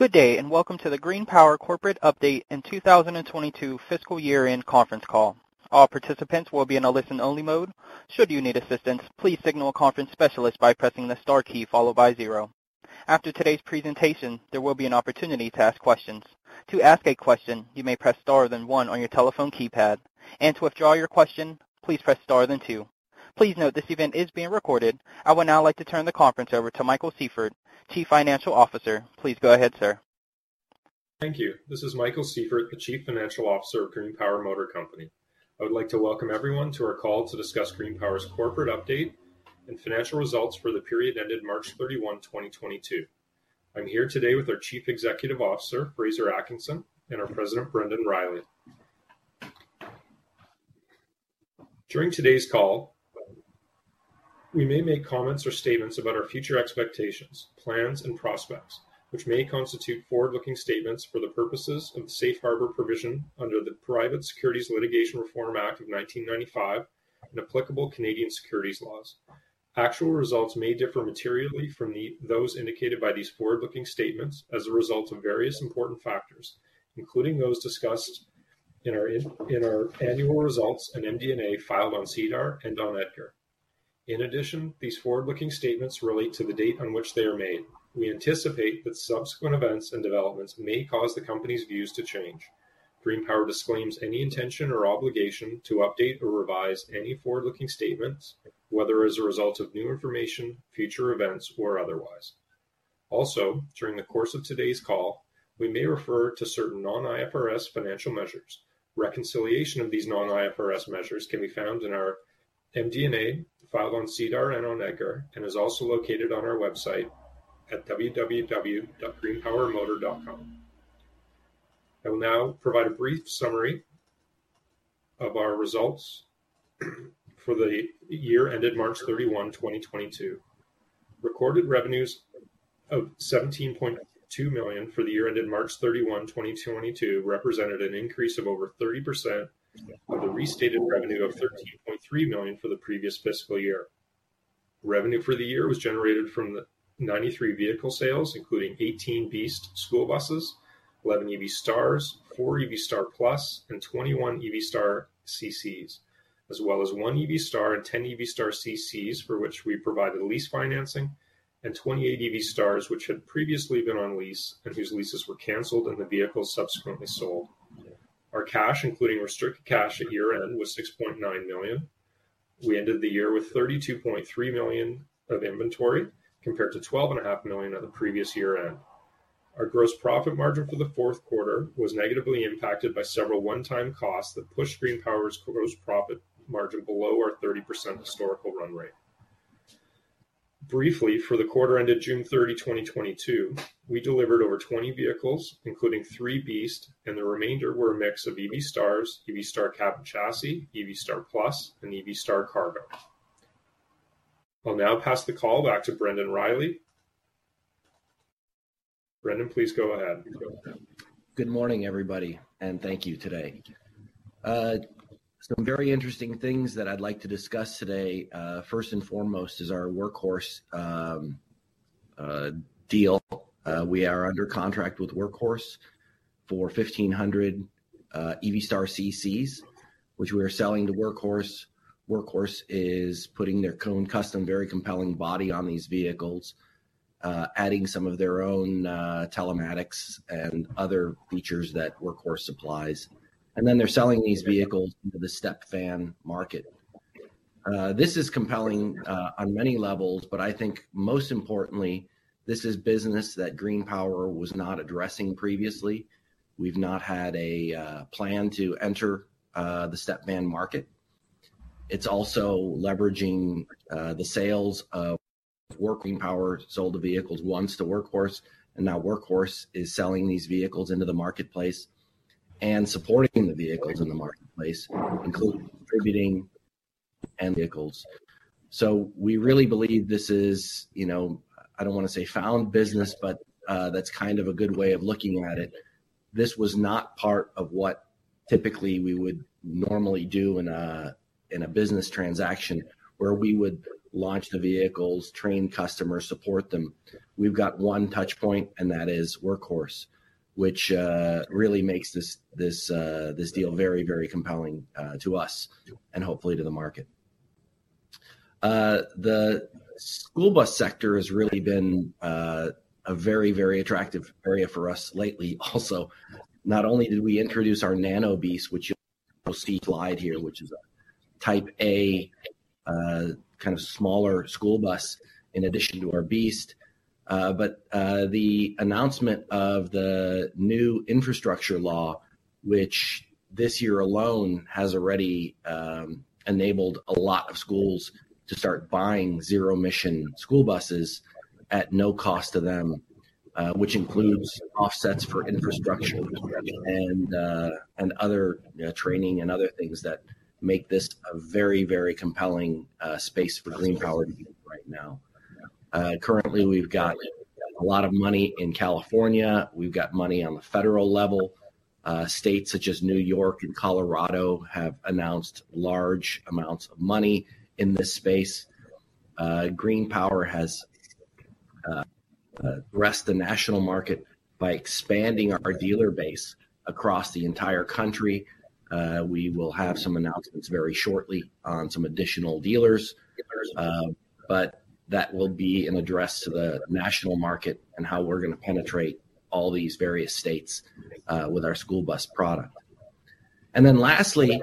Good day, and welcome to the GreenPower Corporate Update and 2022 fiscal year-end conference call. All participants will be in a listen-only mode. Should you need assistance, please signal a conference specialist by pressing the star key followed by zero. After today's presentation, there will be an opportunity to ask questions. To ask a question, you may press star then one on your telephone keypad. To withdraw your question, please press star then two. Please note this event is being recorded. I would now like to turn the conference over to Michael Sieffert, Chief Financial Officer. Please go ahead, sir. Thank you. This is Michael Sieffert, the Chief Financial Officer of GreenPower Motor Company. I would like to welcome everyone to our call to discuss GreenPower's corporate update and financial results for the period ended March 31, 2022. I'm here today with our Chief Executive Officer, Fraser Atkinson, and our President, Brendan Riley. During today's call, we may make comments or statements about our future expectations, plans, and prospects, which may constitute forward-looking statements for the purposes of the Safe Harbor provision under the Private Securities Litigation Reform Act of 1995 and applicable Canadian securities laws. Actual results may differ materially from those indicated by these forward-looking statements as a result of various important factors, including those discussed in our annual results and MD&A filed on SEDAR and on EDGAR. In addition, these forward-looking statements relate to the date on which they are made. We anticipate that subsequent events and developments may cause the company's views to change. GreenPower disclaims any intention or obligation to update or revise any forward-looking statements, whether as a result of new information, future events, or otherwise. Also, during the course of today's call, we may refer to certain non-IFRS financial measures. Reconciliation of these non-IFRS measures can be found in our MD&A filed on SEDAR and on EDGAR and is also located on our website at www.greenpowermotor.com. I will now provide a brief summary of our results for the year ended March 31, 2022. Recorded revenues of $17.2 million for the year ended March 31, 2022 represented an increase of over 30% of the restated revenue of $13.3 million for the previous fiscal year. Revenue for the year was generated from the 93 vehicle sales, including 18 BEAST school buses, 11 EV Stars, four EV Star Plus, and 21 EV Star CCs, as well as one EV Star and 10 EV Star CCs for which we provided lease financing, and 28 EV Stars which had previously been on lease and whose leases were canceled and the vehicles subsequently sold. Our cash, including restricted cash at year-end, was $6.9 million. We ended the year with $32.3 million of inventory compared to $12.5 million at the previous year-end. Our gross profit margin for the fourth quarter was negatively impacted by several one-time costs that pushed GreenPower's gross profit margin below our 30% historical run rate. Briefly, for the quarter ended June 30, 2022, we delivered over 20 vehicles, including three BEAST, and the remainder were a mix of EV Stars, EV Star Cab and Chassis, EV Star Plus, and EV Star Cargo. I'll now pass the call back to Brendan Riley. Brendan, please go ahead. Good morning, everybody, and thank you today. Some very interesting things that I'd like to discuss today, first and foremost is our Workhorse deal. We are under contract with Workhorse for 1,500 EV Star CCs, which we are selling to Workhorse. Workhorse is putting their own custom, very compelling body on these vehicles, adding some of their own telematics and other features that Workhorse supplies. They're selling these vehicles into the step van market. This is compelling on many levels, but I think most importantly, this is business that GreenPower was not addressing previously. We've not had a plan to enter the step van market. It's also leveraging the sales of GreenPower, sold the vehicles once to Workhorse, and now Workhorse is selling these vehicles into the marketplace and supporting the vehicles in the marketplace, including contributing to the vehicles. So we really believe this is, you know, I don't want to say found business, but that's kind of a good way of looking at it. This was not part of what typically we would normally do in a business transaction where we would launch the vehicles, train customers, support them. We've got one touch point, and that is Workhorse, which really makes this deal very, very compelling to us and hopefully to the market. The school bus sector has really been a very, very attractive area for us lately also. Not only did we introduce our Nano BEAST, which you'll see slide here, which is a Type A kind of smaller school bus in addition to our BEAST, but the announcement of the new infrastructure law, which this year alone has already enabled a lot of schools to start buying zero-emission school buses at no cost to them, which includes offsets for infrastructure and other training and other things that make this a very, very compelling space for GreenPower to be in right now. Currently we've got a lot of money in California. We've got money on the federal level. States such as New York and Colorado have announced large amounts of money in this space. GreenPower has addressed the national market by expanding our dealer base across the entire country. We will have some announcements very shortly on some additional dealers, but that will be an address to the national market and how we're gonna penetrate all these various states with our school bus product. Lastly,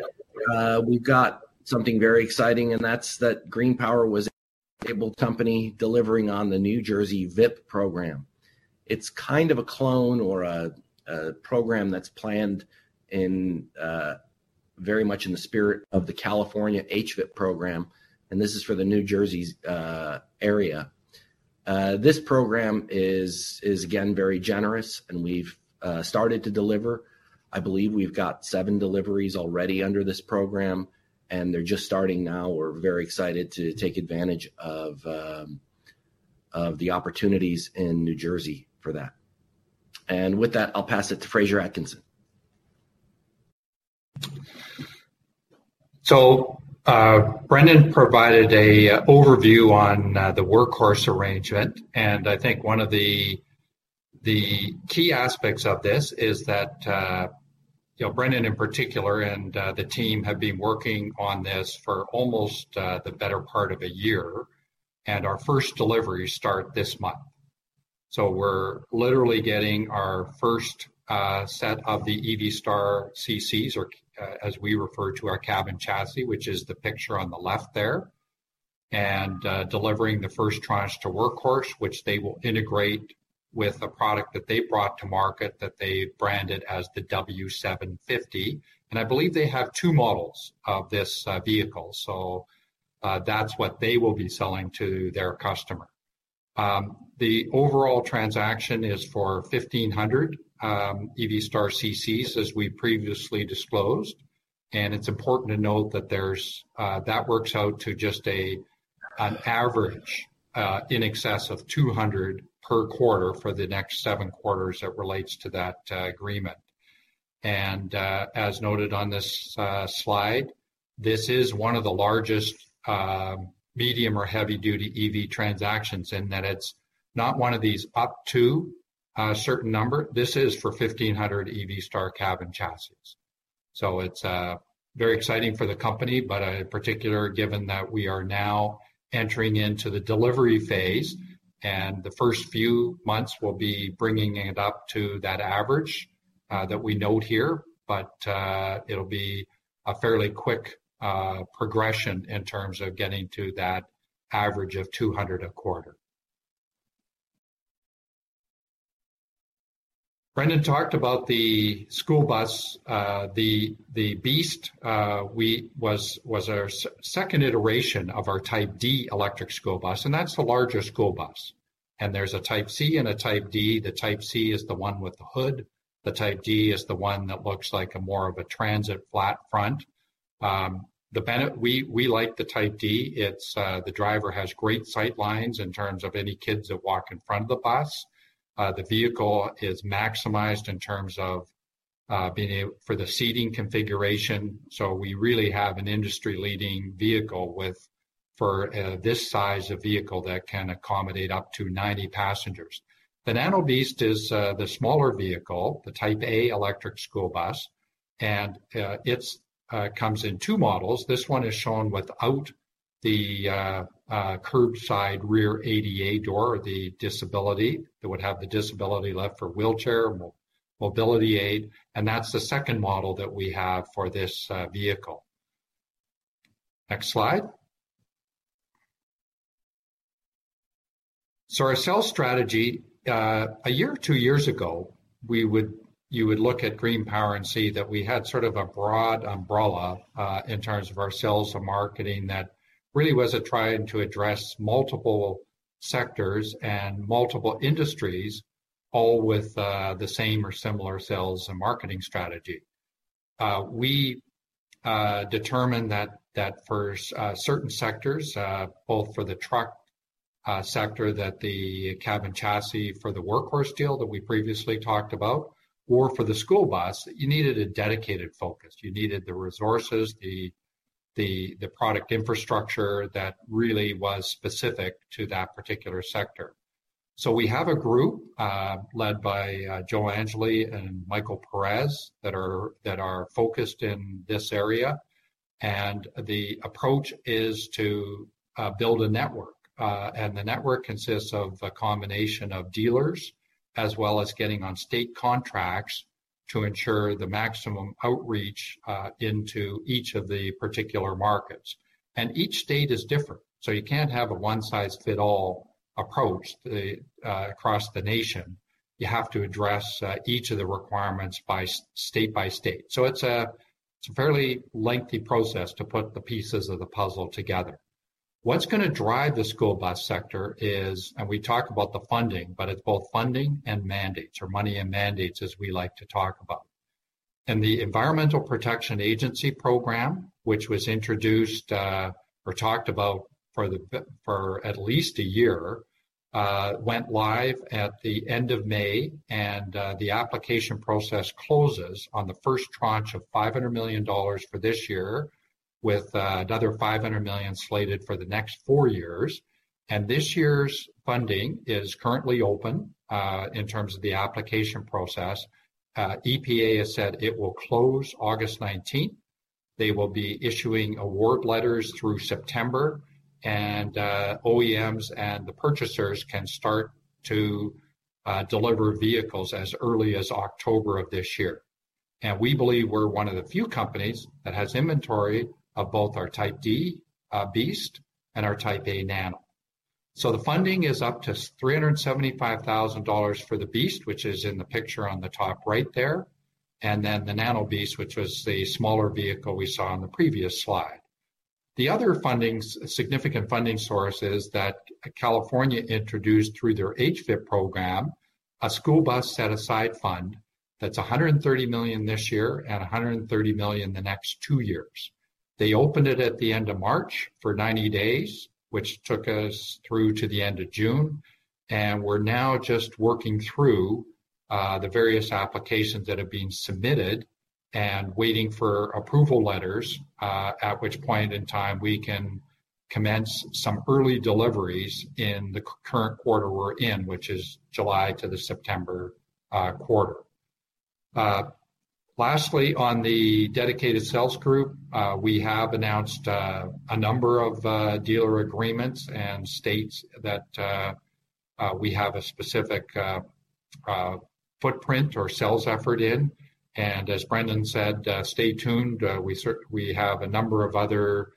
we've got something very exciting, and that's that GreenPower was able to deliver on the New Jersey VIP program. It's kind of a clone or a program that's planned in very much in the spirit of the California HVIP program, and this is for the New Jersey area. This program is again very generous and we've started to deliver. I believe we've got seven deliveries already under this program, and they're just starting now. We're very excited to take advantage of the opportunities in New Jersey for that. With that, I'll pass it to Fraser Atkinson. Brendan provided an overview on the Workhorse arrangement. I think one of the key aspects of this is that you know Brendan in particular and the team have been working on this for almost the better part of a year and our first deliveries start this month. We're literally getting our first set of the EV Star CCs as we refer to our cab and chassis which is the picture on the left there and delivering the first tranche to Workhorse which they will integrate with a product that they brought to market that they branded as the W750. I believe they have two models of this vehicle. That's what they will be selling to their customer. The overall transaction is for 1,500 EV Star CCs as we previously disclosed. It's important to note that that works out to just a, an average, in excess of 200 per quarter for the next seven quarters that relates to that agreement. As noted on this slide, this is one of the largest, medium or heavy duty EV transactions in that it's not one of these up to a certain number. This is for 1,500 EV Star cab and chassis. It's very exciting for the company, but, in particular, given that we are now entering into the delivery phase, and the first few months will be bringing it up to that average that we note here. It'll be a fairly quick progression in terms of getting to that average of 200 a quarter. Brendan talked about the school bus, the BEAST. This was our second iteration of our Type D electric school bus, and that's the larger school bus. There's a Type C and a Type D. The Type C is the one with the hood. The Type D is the one that looks like more of a transit flat front. We like the Type D. It's the driver has great sight lines in terms of any kids that walk in front of the bus. The vehicle is maximized in terms of being able for the seating configuration. We really have an industry-leading vehicle for this size of vehicle that can accommodate up to 90 passengers. The Nano BEAST is the smaller vehicle, the Type A electric school bus, and it comes in two models. This one is shown without the curbside rear ADA door or the disability. It would have the disability lift for wheelchair mobility aid, and that's the second model that we have for this vehicle. Next slide. Our sales strategy, a year or two years ago, you would look at GreenPower and see that we had sort of a broad umbrella in terms of our sales and marketing that really was a try to address multiple sectors and multiple industries, all with the same or similar sales and marketing strategy. We determined that for certain sectors, both for the truck sector that the cab and chassis for the Workhorse deal that we previously talked about or for the school bus, you needed a dedicated focus. You needed the resources, the product infrastructure that really was specific to that particular sector. We have a group led by Joe Angeli and Michael Perez that are focused in this area. The approach is to build a network. The network consists of a combination of dealers as well as getting on state contracts to ensure the maximum outreach into each of the particular markets. Each state is different. You can't have a one-size-fits-all approach across the nation. You have to address each of the requirements by state by state. It's a fairly lengthy process to put the pieces of the puzzle together. What's gonna drive the school bus sector is, and we talk about the funding, but it's both funding and mandates or money and mandates as we like to talk about. The Environmental Protection Agency program, which was introduced or talked about for at least a year, went live at the end of May, and the application process closes on the first tranche of $500 million for this year, with another $500 million slated for the next four years. This year's funding is currently open in terms of the application process. EPA has said it will close August 19th. They will be issuing award letters through September, and OEMs and the purchasers can start to deliver vehicles as early as October of this year. We believe we're one of the few companies that has inventory of both our Type D BEAST and our Type A Nano. The funding is up to $375,000 for the BEAST, which is in the picture on the top right there, and then the Nano BEAST, which was the smaller vehicle we saw on the previous slide. The other funding is a significant funding source that California introduced through their HVIP program, a school bus set-aside fund that's $130 million this year and $130 million the next two years. They opened it at the end of March for 90 days, which took us through to the end of June, and we're now just working through the various applications that have been submitted and waiting for approval letters at which point in time we can commence some early deliveries in the current quarter we're in, which is July to the September quarter. Lastly, on the dedicated sales group, we have announced a number of dealer agreements and states that we have a specific footprint or sales effort in. As Brendan said, stay tuned. We have a number of other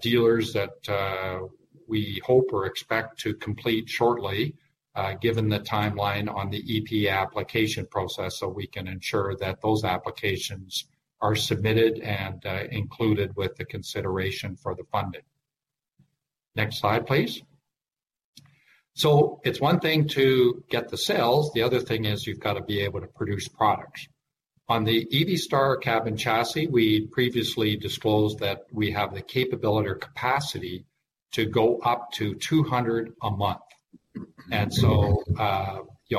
dealers that we hope or expect to complete shortly, given the timeline on the EPA application process, so we can ensure that those applications are submitted and included with the consideration for the funding. Next slide, please. It's one thing to get the sales. The other thing is you've got to be able to produce products. On the EV Star Cab and Chassis, we previously disclosed that we have the capability or capacity to go up to 200 a month.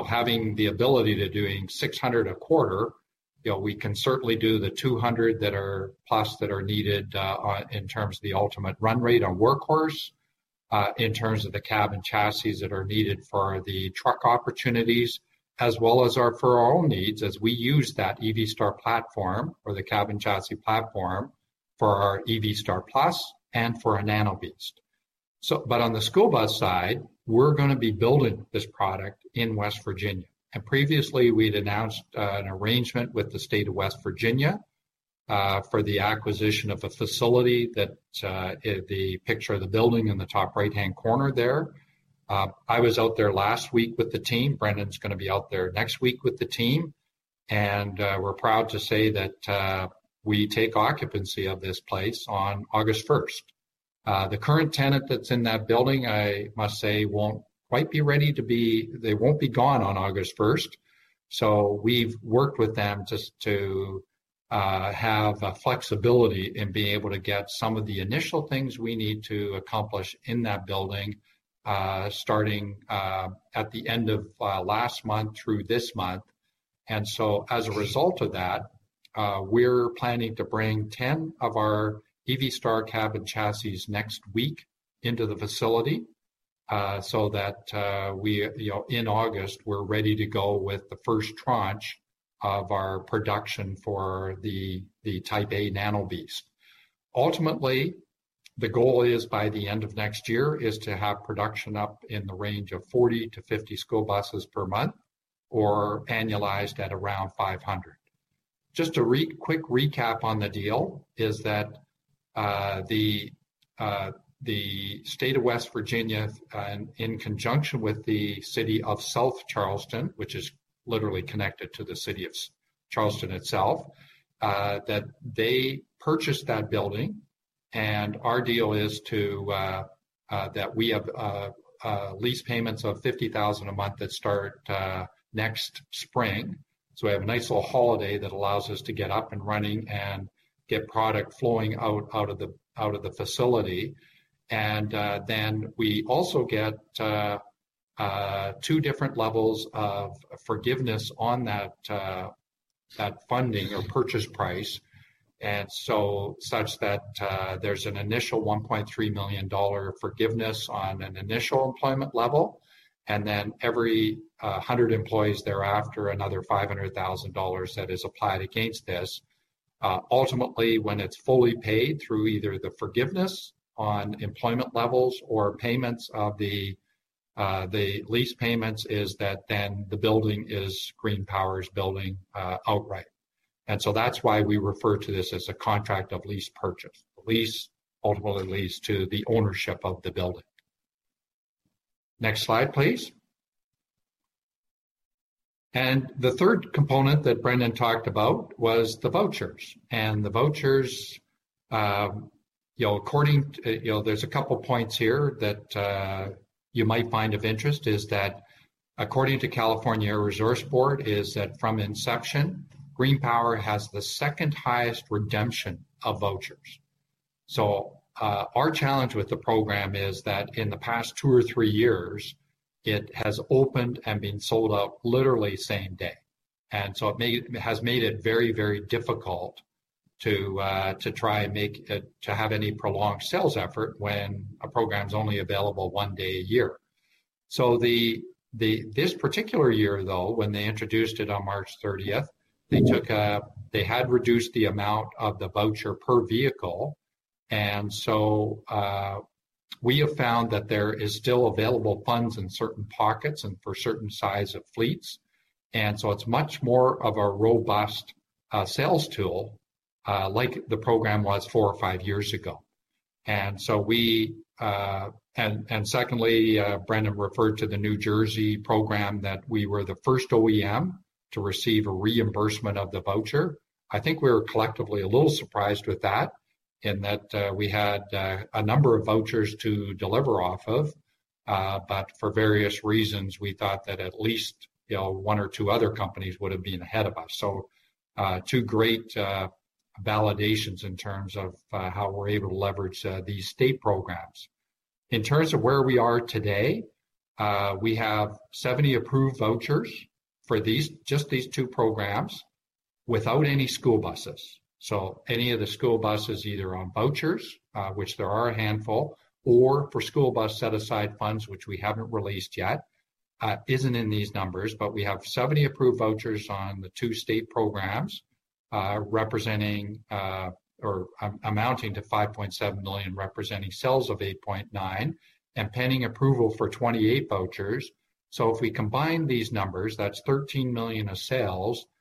Having the ability to do 600 a quarter, you know, we can certainly do the 200, plus that are needed in terms of the ultimate run rate on Workhorse in terms of the cab and chassis that are needed for the truck opportunities, as well as for our own needs as we use that EV Star platform or the cab and chassis platform for our EV Star Plus and for our Nano BEAST. On the school bus side, we're gonna be building this product in West Virginia. Previously, we'd announced an arrangement with the state of West Virginia for the acquisition of a facility, the picture of the building in the top right-hand corner there. I was out there last week with the team. Brendan's gonna be out there next week with the team. We're proud to say that we take occupancy of this place on August first. The current tenant that's in that building, I must say, won't quite be ready to be, they won't be gone on August first. We've worked with them just to have a flexibility in being able to get some of the initial things we need to accomplish in that building, starting at the end of last month through this month. As a result of that, we're planning to bring 10 of our EV Star Cab and Chassis next week into the facility, so that, you know, in August, we're ready to go with the first tranche of our production for the Type A Nano BEAST. Ultimately, the goal is by the end of next year to have production up in the range of 40-50 school buses per month or annualized at around 500. Just a quick recap on the deal is that the state of West Virginia in conjunction with the city of South Charleston, which is literally connected to the city of South Charleston itself, that they purchased that building, and our deal is that we have lease payments of $50,000 a month that start next spring. We have a nice little holiday that allows us to get up and running and get product flowing out of the facility. Then we also get two different levels of forgiveness on that funding or purchase price. Such that there's an initial $1.3 million forgiveness on an initial employment level, and then every 100 employees thereafter, another $500,000 that is applied against this. Ultimately, when it's fully paid through either the forgiveness on employment levels or payments of the lease payments, is that then the building is GreenPower's building outright. That's why we refer to this as a contract of lease purchase. The lease ultimately leads to the ownership of the building. Next slide, please. The third component that Brendan talked about was the vouchers. The vouchers, you know, according, you know, there's a couple points here that you might find of interest is that according to California Air Resources Board, from inception, GreenPower has the second highest redemption of vouchers. Our challenge with the program is that in the past two or three years, it has opened and been sold out literally same day. It has made it very, very difficult to try and have any prolonged sales effort when a program is only available one day a year. This particular year, though, when they introduced it on March 30th, they had reduced the amount of the voucher per vehicle. We have found that there is still available funds in certain pockets and for certain size of fleets. It's much more of a robust sales tool like the program was four or five years ago. Brendan referred to the New Jersey program that we were the first OEM to receive a reimbursement of the voucher. I think we were collectively a little surprised with that in that we had a number of vouchers to deliver off of. For various reasons, we thought that at least, you know, one or two other companies would have been ahead of us. Two great validations in terms of how we're able to leverage these state programs. In terms of where we are today, we have 70 approved vouchers for just these two programs without any school buses. Any of the school buses, either on vouchers, which there are a handful, or for school bus set-aside funds, which we haven't released yet, isn't in these numbers. We have 70 approved vouchers on the two state programs, representing, or amounting to $5.7 million, representing sales of $8.9 million, and pending approval for 28 vouchers. If we combine these numbers, that's $13 million of sales that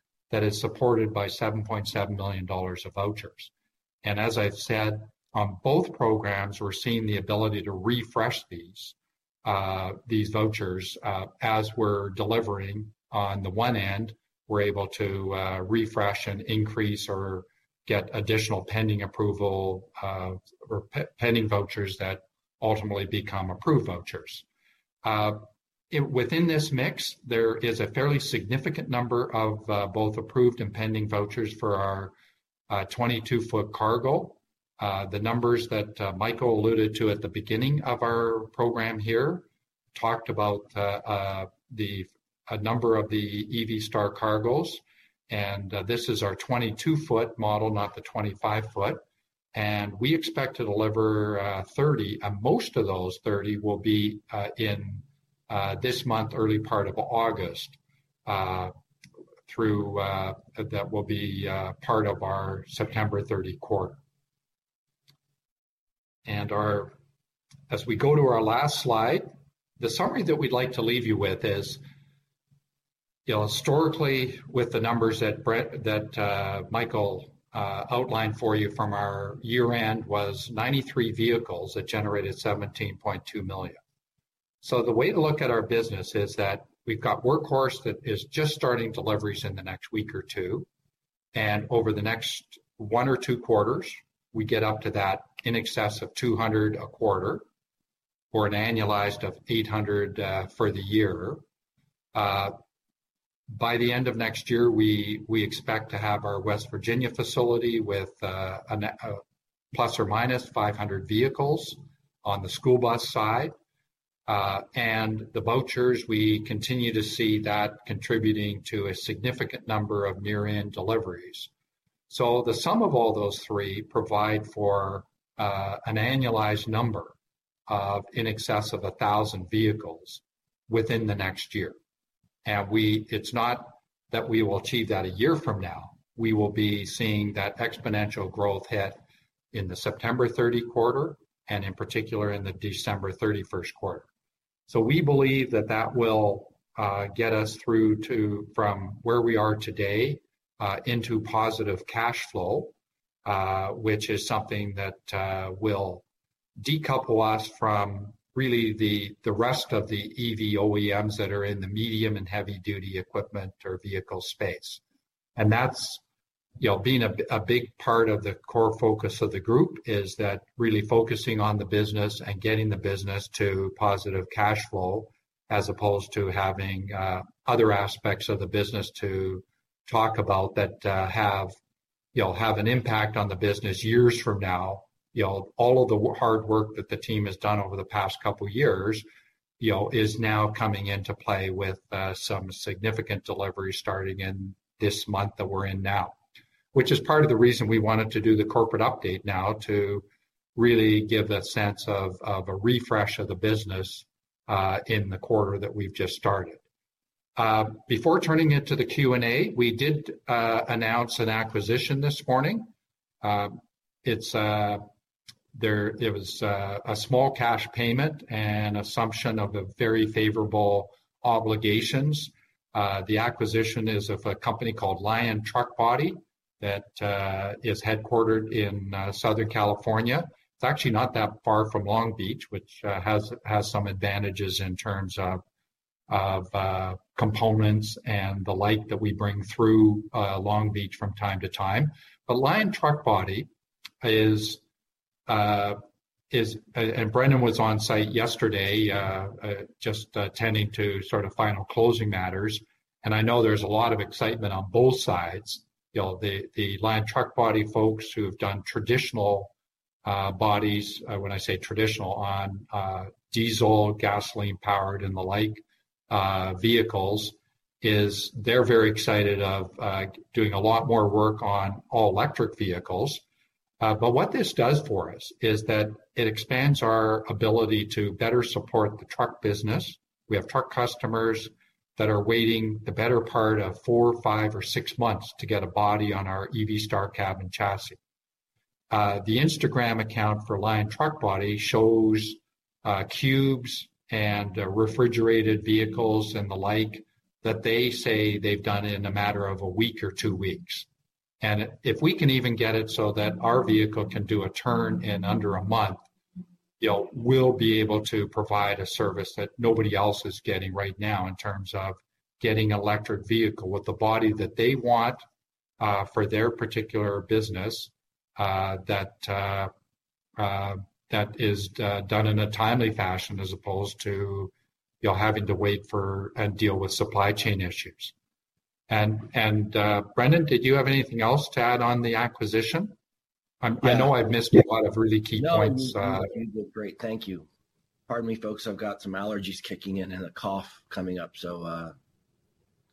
is supported by $7.7 million of vouchers. As I've said, on both programs, we're seeing the ability to refresh these vouchers, as we're delivering on the one end, we're able to refresh and increase or get additional pending approval, or pending vouchers that ultimately become approved vouchers. Within this mix, there is a fairly significant number of both approved and pending vouchers for our 22 ft cargo. The numbers that Michael alluded to at the beginning of our program here talked about a number of the EV Star Cargos, and this is our 22 ft model, not the 25 ft. We expect to deliver 30, and most of those 30 will be in this month, early part of August, through, that will be part of our September 30 quarter. As we go to our last slide, the summary that we'd like to leave you with is, you know, historically, with the numbers that Michael outlined for you from our year-end was 93 vehicles that generated $17.2 million. The way to look at our business is that we've got Workhorse that is just starting deliveries in the next week or two. Over the next one or two quarters, we get up to that in excess of 200 a quarter or an annualized of 800 for the year. By the end of next year, we expect to have our West Virginia facility with ±500 vehicles on the school bus side. The vouchers, we continue to see that contributing to a significant number of near-term deliveries. The sum of all those three provide for an annualized number of in excess of 1,000 vehicles within the next year. It's not that we will achieve that a year from now. We will be seeing that exponential growth hit in the September 30 quarter and in particular in the December 31 quarter. We believe that will get us through from where we are today into positive cash flow, which is something that will decouple us from really the rest of the EV OEMs that are in the medium- and heavy-duty equipment or vehicle space. That's, you know, being a big part of the core focus of the group, is that really focusing on the business and getting the business to positive cash flow as opposed to having other aspects of the business to talk about that have, you know, have an impact on the business years from now. You know, all of the hard work that the team has done over the past couple years, you know, is now coming into play with some significant deliveries starting in this month that we're in now. Which is part of the reason we wanted to do the corporate update now to really give that sense of a refresh of the business in the quarter that we've just started. Before turning it to the Q&A, we did announce an acquisition this morning. It was a small cash payment and assumption of the very favorable obligations. The acquisition is of a company called Lion Truck Body that is headquartered in Southern California. It's actually not that far from Long Beach, which has some advantages in terms of components and the like that we bring through Long Beach from time to time. Lion Truck Body and Brendan was on site yesterday, just tending to sort of final closing matters. I know there's a lot of excitement on both sides. You know, the Lion Truck Body folks who have done traditional bodies, when I say traditional, on diesel, gasoline-powered, and the like vehicles. They're very excited about doing a lot more work on all-electric vehicles. What this does for us is that it expands our ability to better support the truck business. We have truck customers that are waiting the better part of four, five, or six months to get a body on our EV Star Cab and Chassis. The Instagram account for Lion Truck Body shows cubes and refrigerated vehicles and the like that they say they've done in a matter of a week or two weeks. If we can even get it so that our vehicle can do a turn in under a month, you know, we'll be able to provide a service that nobody else is getting right now in terms of getting electric vehicle with the body that they want for their particular business, that is done in a timely fashion as opposed to, you know, having to wait for and deal with supply chain issues. Brendan, did you have anything else to add on the acquisition? Yeah. I know I've missed a lot of really key points. No, you did great. Thank you. Pardon me, folks, I've got some allergies kicking in and a cough coming up, so,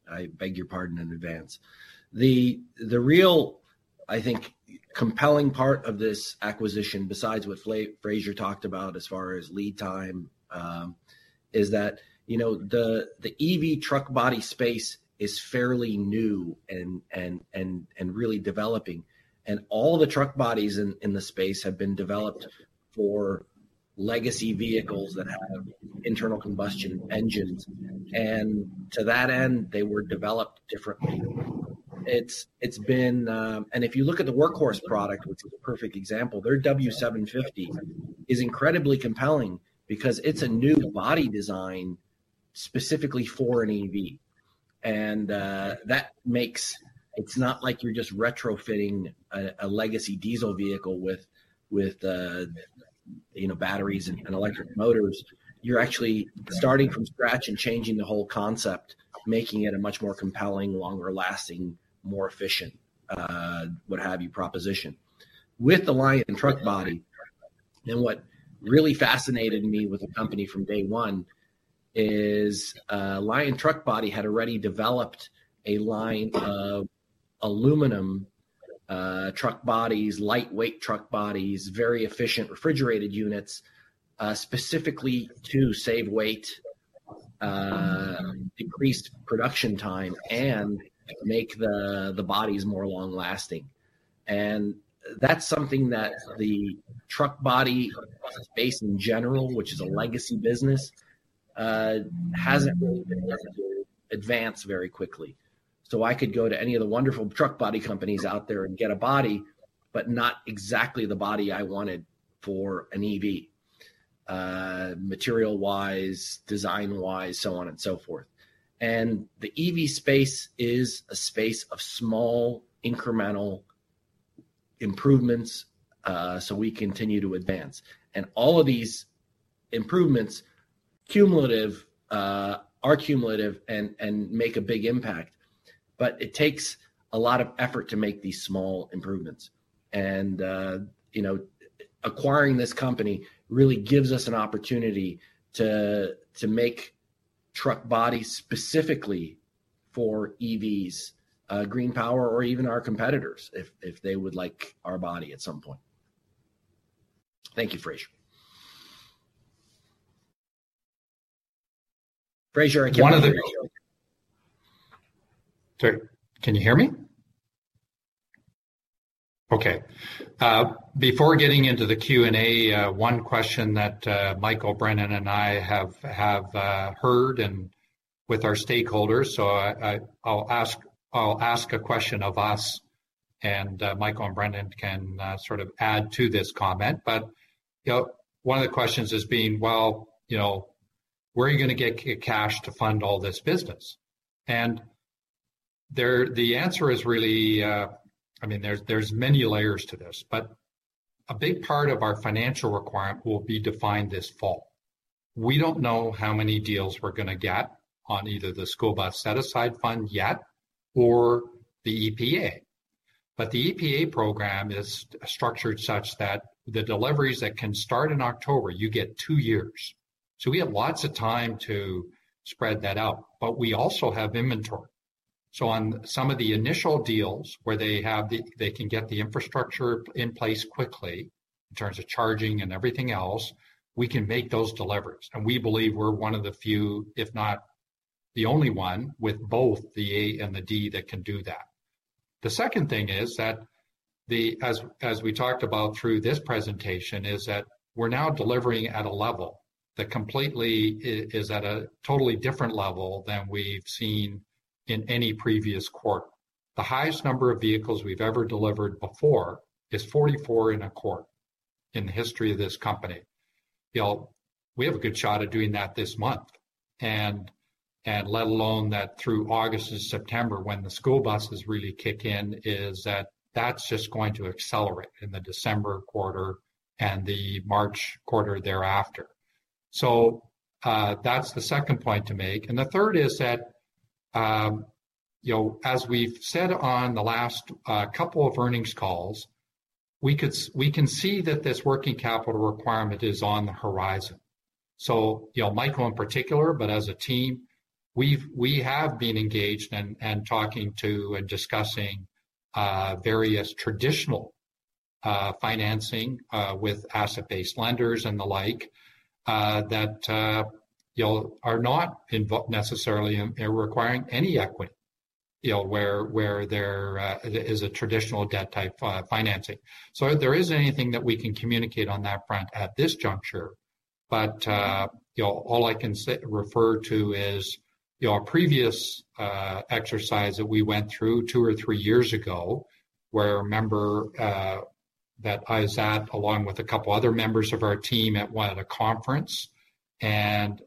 I beg your pardon in advance. The real, I think, compelling part of this acquisition, besides what Fraser talked about as far as lead time, is that, you know, the EV truck body space is fairly new and really developing. All the truck bodies in the space have been developed for legacy vehicles that have internal combustion engines. To that end, they were developed differently. If you look at the Workhorse product, which is a perfect example, their W750 is incredibly compelling because it's a new body design specifically for an EV. That makes—it's not like you're just retrofitting a legacy diesel vehicle with you know, batteries and electric motors. You're actually starting from scratch and changing the whole concept, making it a much more compelling, longer lasting, more efficient, what have you, proposition. With the Lion Truck Body, what really fascinated me with the company from day one is Lion Truck Body had already developed a line of aluminum truck bodies, lightweight truck bodies, very efficient refrigerated units, specifically to save weight, decrease production time, and make the bodies more long-lasting. That's something that the truck body space in general, which is a legacy business, hasn't really been able to advance very quickly. I could go to any of the wonderful truck body companies out there and get a body, but not exactly the body I wanted for an EV, material-wise, design-wise, so on and so forth. All of these improvements are cumulative and make a big impact. It takes a lot of effort to make these small improvements. Acquiring this company really gives us an opportunity to make truck bodies specifically for EVs, GreenPower or even our competitors if they would like our body at some point. Thank you, Fraser. Fraser, I can't hear you. Sorry. Can you hear me? Okay. Before getting into the Q&A, one question that Michael, Brendan, and I have heard from our stakeholders, so I'll ask a question of us and Michael and Brendan can sort of add to this comment. You know, one of the questions being, "Well, you know, where are you gonna get cash to fund all this business?" There the answer is really, I mean, there's many layers to this, but a big part of our financial requirement will be defined this fall. We don't know how many deals we're gonna get on either the School Bus Set-Aside fund yet or the EPA. The EPA program is structured such that the deliveries that can start in October, you get two years. We have lots of time to spread that out, but we also have inventory. On some of the initial deals where they can get the infrastructure in place quickly in terms of charging and everything else, we can make those deliveries. We believe we're one of the few, if not the only one, with both the A and the D that can do that. The second thing is that as we talked about through this presentation, is that we're now delivering at a level that completely is at a totally different level than we've seen in any previous quarter. The highest number of vehicles we've ever delivered before is 44 in a quarter in the history of this company. You know, we have a good shot at doing that this month. Let alone that through August and September when the school buses really kick in is that that's just going to accelerate in the December quarter and the March quarter thereafter. That's the second point to make. The third is that, you know, as we've said on the last couple of earnings calls, we can see that this working capital requirement is on the horizon. You know, Michael in particular, but as a team, we have been engaged and talking to and discussing various traditional financing with asset-based lenders and the like that you know are not involved necessarily in requiring any equity, you know, where there is a traditional debt type financing. There isn't anything that we can communicate on that front at this juncture. You know, all I can refer to is, you know, a previous exercise that we went through two or three years ago, where I remember that I sat along with a couple other members of our team at a conference and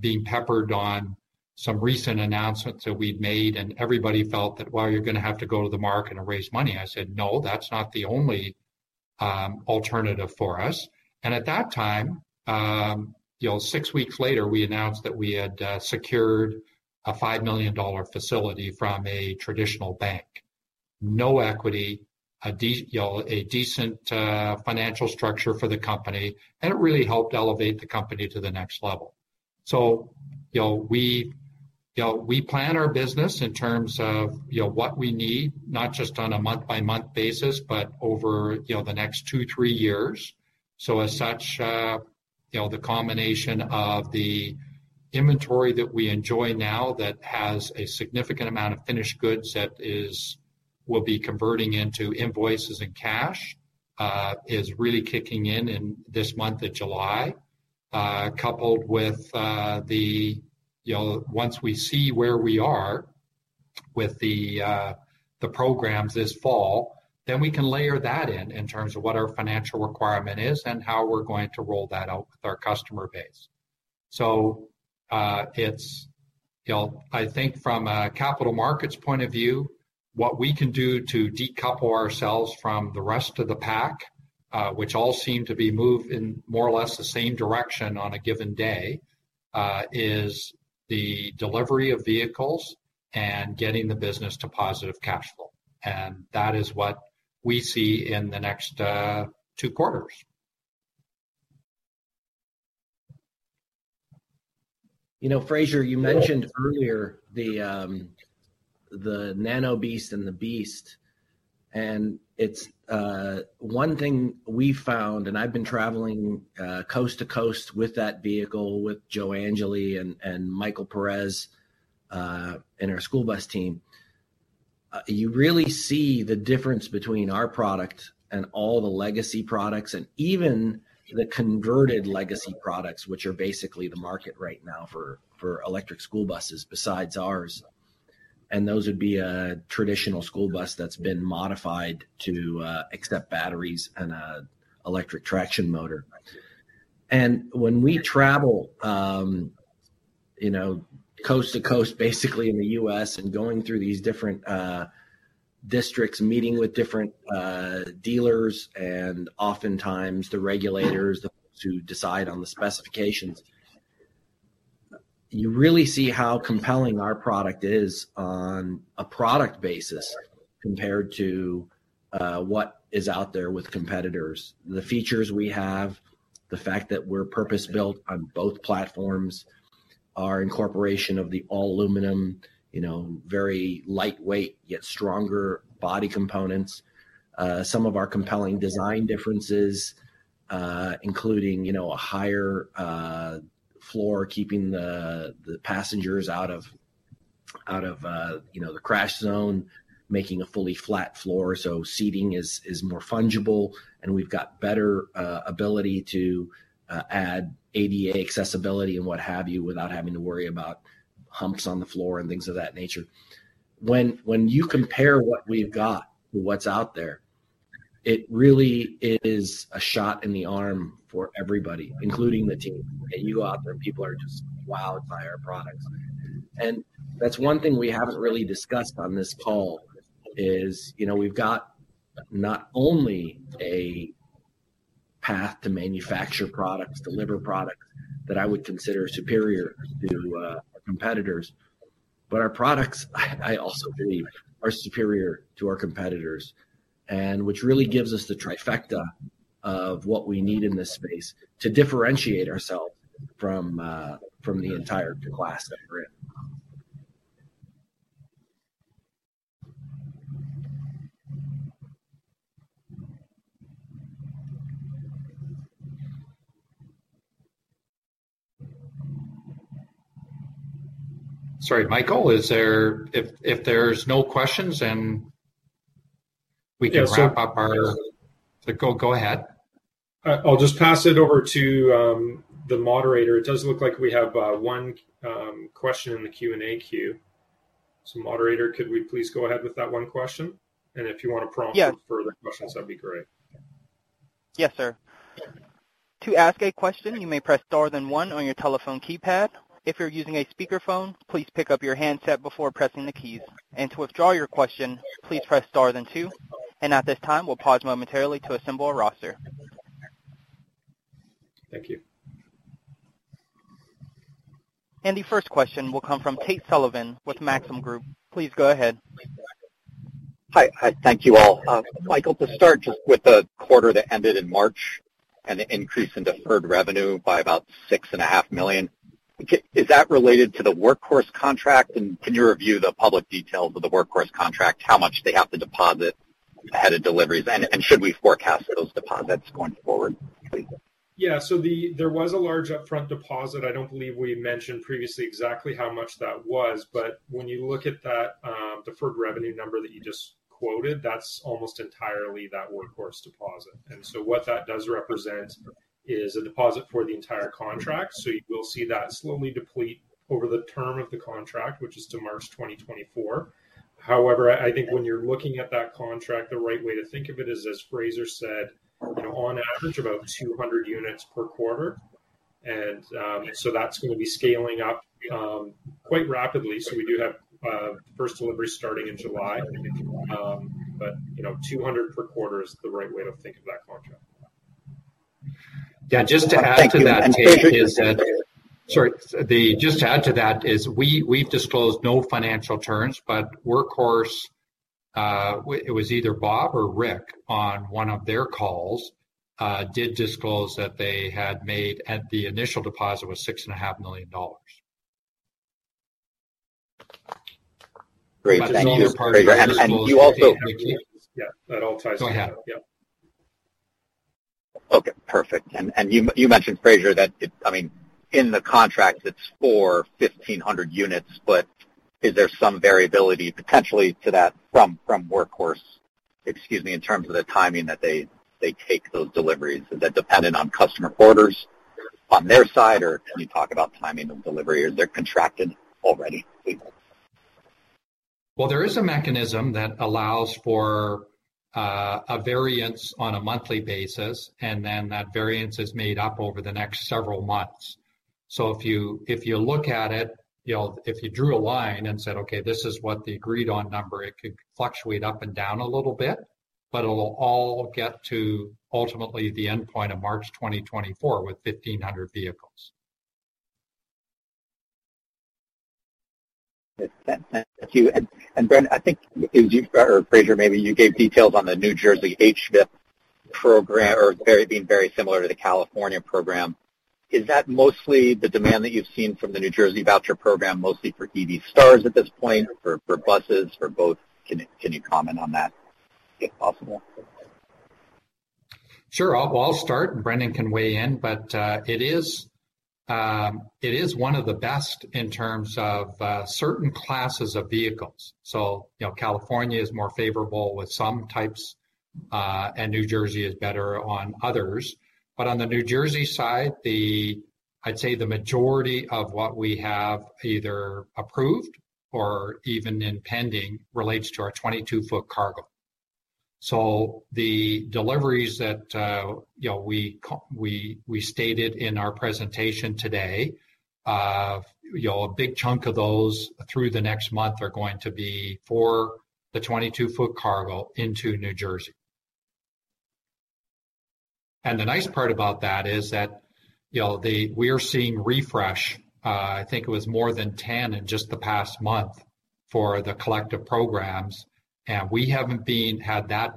being peppered on some recent announcements that we'd made, and everybody felt that, "Well, you're gonna have to go to the market and raise money." I said, "No, that's not the only alternative for us." At that time, you know, six weeks later, we announced that we had secured a $5 million facility from a traditional bank. No equity, you know, a decent financial structure for the company, and it really helped elevate the company to the next level. You know, we plan our business in terms of, you know, what we need, not just on a month-by-month basis, but over, you know, the next two, three years. As such, you know, the combination of the inventory that we enjoy now that has a significant amount of finished goods that we'll be converting into invoices and cash is really kicking in in this month of July. Coupled with, you know, once we see where we are with the programs this fall, then we can layer that in terms of what our financial requirement is and how we're going to roll that out with our customer base. It's, you know, I think from a capital markets point of view, what we can do to decouple ourselves from the rest of the pack, which all seem to be moved in more or less the same direction on a given day, is the delivery of vehicles and getting the business to positive cash flow. That is what we see in the next two quarters. You know, Fraser, you mentioned earlier the Nano BEAST and the BEAST, and it's one thing we found, and I've been traveling coast to coast with that vehicle with Joe Angeli and Michael Perez and our school bus team. You really see the difference between our product and all the legacy products and even the converted legacy products, which are basically the market right now for electric school buses besides ours. Those would be a traditional school bus that's been modified to accept batteries and an electric traction motor. When we travel, you know, coast to coast basically in the U.S. and going through these different districts, meeting with different dealers and oftentimes the regulators, the folks who decide on the specifications, you really see how compelling our product is on a product basis compared to what is out there with competitors. The features we have, the fact that we're purpose-built on both platforms, our incorporation of the all aluminum, you know, very lightweight yet stronger body components, some of our compelling design differences, including, you know, a higher floor keeping the passengers out of you know, the crash zone, making a fully flat floor so seating is more fungible, and we've got better ability to add ADA accessibility and what have you without having to worry about humps on the floor and things of that nature. When you compare what we've got to what's out there, it really is a shot in the arm for everybody, including the team that you offer, and people are just wowed by our products. That's one thing we haven't really discussed on this call is, you know, we've got not only a path to manufacture products, deliver products that I would consider superior to our competitors, but our products, I also believe are superior to our competitors and which really gives us the trifecta of what we need in this space to differentiate ourselves from the entire class that we're in. Sorry, Michael, if there's no questions, then we can wrap up our. Yeah, so. Go ahead. I'll just pass it over to the moderator. It does look like we have one question in the Q&A queue. Moderator, could we please go ahead with that one question? If you want to prompt. Yes. For further questions, that'd be great. Yes, sir. To ask a question, you may press star then one on your telephone keypad. If you're using a speakerphone, please pick up your handset before pressing the keys. To withdraw your question, please press star then two. At this time, we'll pause momentarily to assemble a roster. Thank you. The first question will come from Tate Sullivan with Maxim Group. Please go ahead. Hi. Hi. Thank you all. Michael, to start just with the quarter that ended in March and the increase in deferred revenue by about $6.5 million, is that related to the Workhorse contract? Can you review the public details of the Workhorse contract, how much they have to deposit ahead of deliveries? And should we forecast those deposits going forward, please? Yeah. There was a large upfront deposit. I don't believe we mentioned previously exactly how much that was. When you look at that deferred revenue number that you just quoted, that's almost entirely that Workhorse deposit. What that does represent is a deposit for the entire contract. You will see that slowly deplete over the term of the contract, which is to March 2024. However, I think when you're looking at that contract, the right way to think of it is, as Fraser said, you know, on average, about 200 units per quarter. That's gonna be scaling up quite rapidly. We do have first delivery starting in July. You know, 200 per quarter is the right way to think of that contract. Yeah. Just to add to that, Tate, is that. Thank you. Fraser, Sorry. Just to add to that, we've disclosed no financial terms, but Workhorse, it was either Bob or Rick on one of their calls, did disclose that they had made the initial deposit was $6.5 million. Great. Thank you. That's all part of the disclosure. And, and you also. Yeah. That all ties together. Go ahead. Yeah. Okay. Perfect. You mentioned, Fraser, I mean, in the contract, it's for 1,500 units, but is there some variability potentially to that from Workhorse, excuse me, in terms of the timing that they take those deliveries? Is that dependent on customer orders on their side? Or can you talk about timing of delivery? Or they're contracted already? Well, there is a mechanism that allows for a variance on a monthly basis, and then that variance is made up over the next several months. If you look at it, you know, if you drew a line and said, "Okay, this is what the agreed on number," it could fluctuate up and down a little bit, but it'll all get to ultimately the endpoint of March 2024 with 1,500 vehicles. Thank you. Brendan, I think it was you or Fraser, maybe you gave details on the New Jersey HVIP program, being very similar to the California program. Is that mostly the demand that you've seen from the New Jersey voucher program, mostly for EV Star at this point or for buses or both? Can you comment on that if possible? Sure. I'll start, and Brendan can weigh in. It is one of the best in terms of certain classes of vehicles. You know, California is more favorable with some types, and New Jersey is better on others. On the New Jersey side, I'd say the majority of what we have either approved or even in pending relates to our 22 ft cargo. The deliveries that you know, we stated in our presentation today, you know, a big chunk of those through the next month are going to be for the 22 ft cargo into New Jersey. The nice part about that is that you know, we are seeing refresh. I think it was more than 10 in just the past month for the collective programs. We haven't had that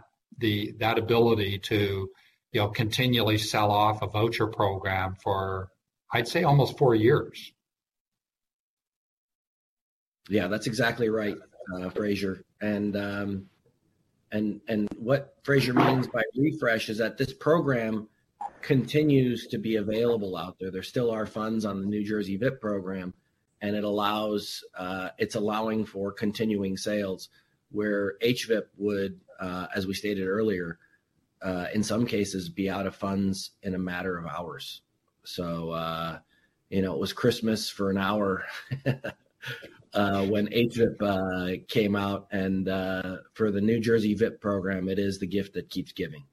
ability to, you know, continually sell off a voucher program for, I'd say, almost four years. Yeah, that's exactly right, Fraser. What Fraser means by refresh is that this program continues to be available out there. There still are funds on the New Jersey VIP program, and it allows, it's allowing for continuing sales where HVIP would, as we stated earlier, in some cases be out of funds in a matter of hours. You know, it was Christmas for an hour when HVIP came out and, for the New Jersey VIP program, it is the gift that keeps giving.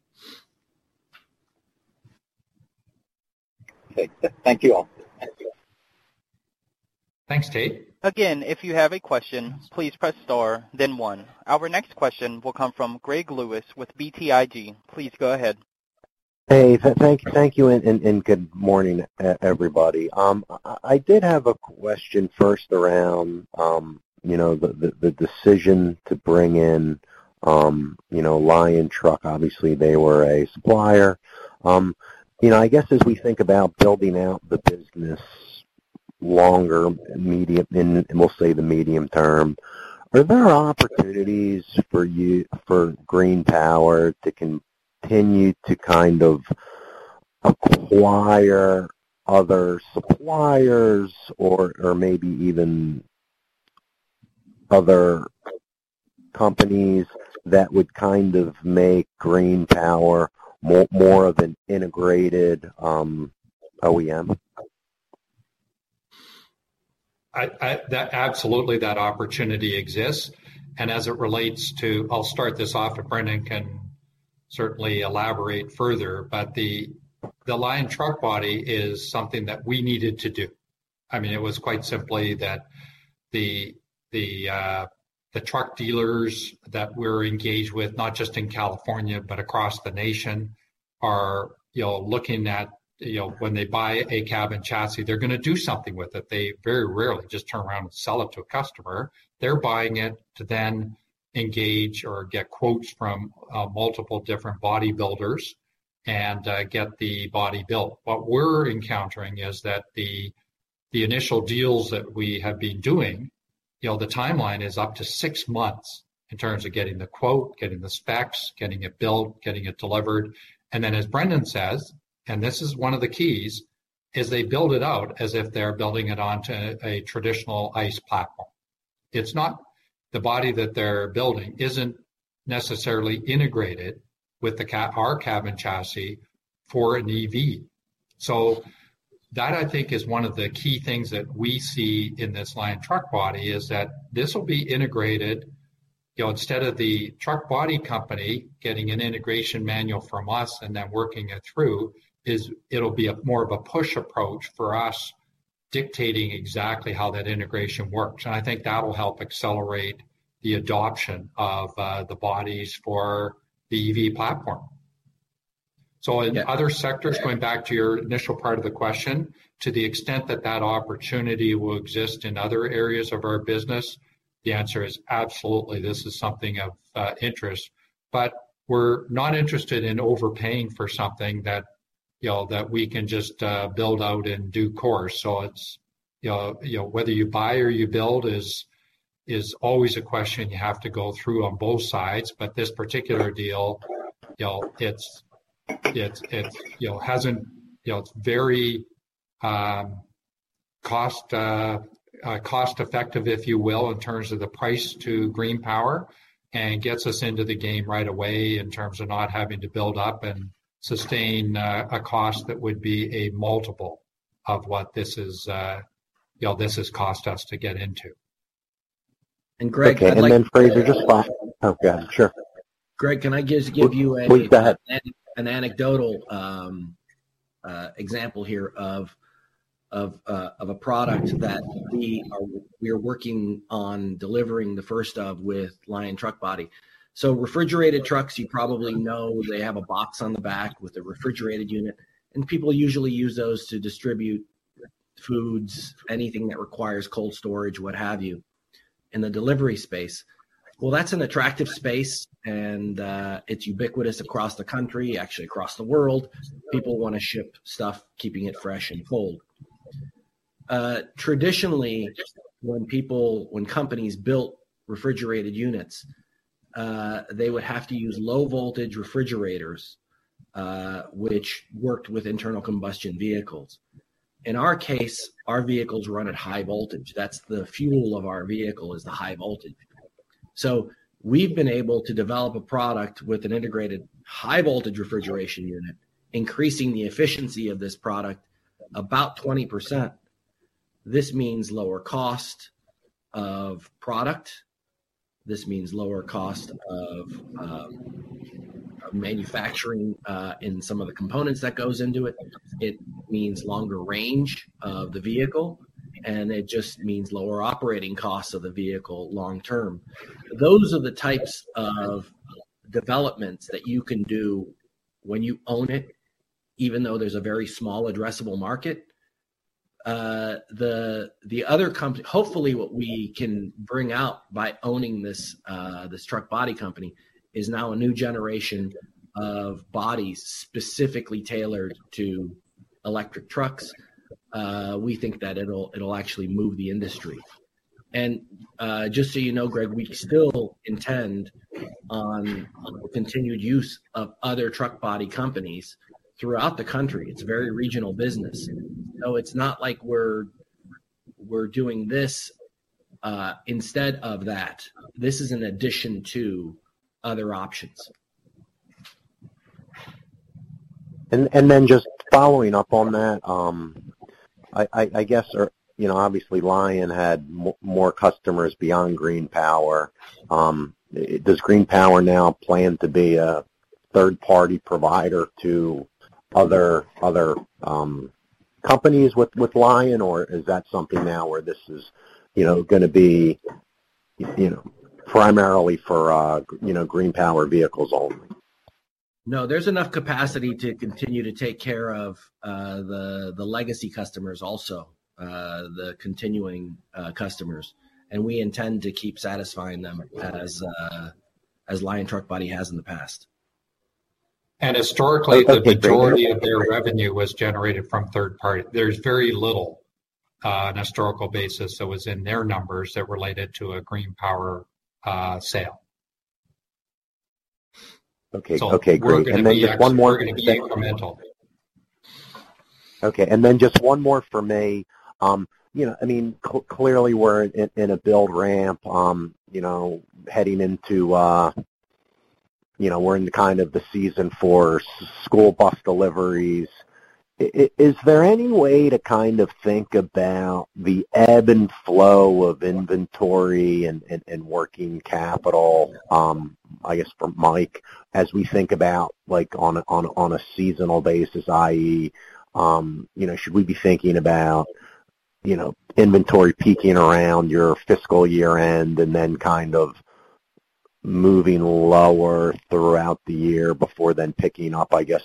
Okay. Thank you all. Thanks, Tate. Again, if you have a question, please press star then one. Our next question will come from Gregory Lewis with BTIG. Please go ahead. Hey, thank you, and good morning, everybody. I did have a question first around you know, the decision to bring in you know, Lion Truck Body. Obviously, they were a supplier. I guess as we think about building out the business longer, medium, and we'll say the medium term, are there opportunities for GreenPower to continue to kind of acquire other suppliers or maybe even other companies that would kind of make GreenPower more of an integrated OEM? Absolutely, that opportunity exists. As it relates to, I'll start this off, and Brendan can certainly elaborate further. The Lion Truck Body is something that we needed to do. I mean, it was quite simply that the truck dealers that we're engaged with, not just in California, but across the nation, are, you know, looking at, you know, when they buy a cab and chassis, they're gonna do something with it. They very rarely just turn around and sell it to a customer. They're buying it to then engage or get quotes from multiple different body builders and get the body built. What we're encountering is that the initial deals that we have been doing, you know, the timeline is up to six months in terms of getting the quote, getting the specs, getting it built, getting it delivered. As Brendan says, and this is one of the keys, is they build it out as if they're building it onto a traditional ICE platform. The body that they're building isn't necessarily integrated with our cab and chassis for an EV. So that, I think, is one of the key things that we see in this Lion Truck Body, is that this will be integrated. You know, instead of the truck body company getting an integration manual from us and then working it through, is it'll be more of a push approach for us dictating exactly how that integration works. I think that will help accelerate the adoption of, the bodies for the EV platform. In other sectors, going back to your initial part of the question, to the extent that that opportunity will exist in other areas of our business, the answer is absolutely this is something of, interest. We're not interested in overpaying for something that, you know, that we can just, build out in due course. It's, you know, whether you buy or you build is always a question you have to go through on both sides. This particular deal, you know, it's, it, you know, hasn't. You know, it's very cost-effective, if you will, in terms of the price to GreenPower and gets us into the game right away in terms of not having to build up and sustain a cost that would be a multiple of what this is, you know, this has cost us to get into. Greg, I'd like to. Okay. Fraser. Okay, sure. Greg, can I just give you? Please go ahead. An anecdotal example here of a product that we're working on delivering the first of with Lion Truck Body. Refrigerated trucks, you probably know they have a box on the back with a refrigerated unit, and people usually use those to distribute foods, anything that requires cold storage, what have you, in the delivery space. Well, that's an attractive space and, it's ubiquitous across the country, actually across the world. People wanna ship stuff, keeping it fresh and cold. Traditionally, when companies built refrigerated units, they would have to use low voltage refrigerators, which worked with internal combustion vehicles. In our case, our vehicles run at high voltage. That's the fuel of our vehicle, is the high voltage. We've been able to develop a product with an integrated high voltage refrigeration unit, increasing the efficiency of this product about 20%. This means lower cost of product. This means lower cost of manufacturing in some of the components that goes into it. It means longer range of the vehicle, and it just means lower operating costs of the vehicle long term. Those are the types of developments that you can do when you own it, even though there's a very small addressable market. Hopefully what we can bring out by owning this truck body company is now a new generation of bodies specifically tailored to electric trucks. We think that it'll actually move the industry. Just so you know, Greg, we still intend on continued use of other truck body companies throughout the country. It's a very regional business. It's not like we're doing this instead of that. This is an addition to other options. Just following up on that, I guess, or, you know, obviously Lion had more customers beyond GreenPower. Does GreenPower now plan to be a third-party provider to other companies with Lion, or is that something now where this is, you know, gonna be, you know, primarily for GreenPower vehicles only? No, there's enough capacity to continue to take care of the legacy customers, also the continuing customers. We intend to keep satisfying them as Lion Truck Body has in the past. And historically. Okay. Great. The majority of their revenue was generated from third party. There's very little on a historical basis that was in their numbers that related to a GreenPower sale. Okay. Okay, great. Just one more. We're gonna be incremental. Okay. Then just one more for me. You know, I mean, clearly, we're in a build ramp, you know, heading into, you know, we're in kind of the season for school bus deliveries. Is there any way to kind of think about the ebb and flow of inventory and working capital, I guess for Mike, as we think about like on a seasonal basis, i.e., you know, should we be thinking about, you know, inventory peaking around your fiscal year-end and then kind of moving lower throughout the year before then picking up, I guess,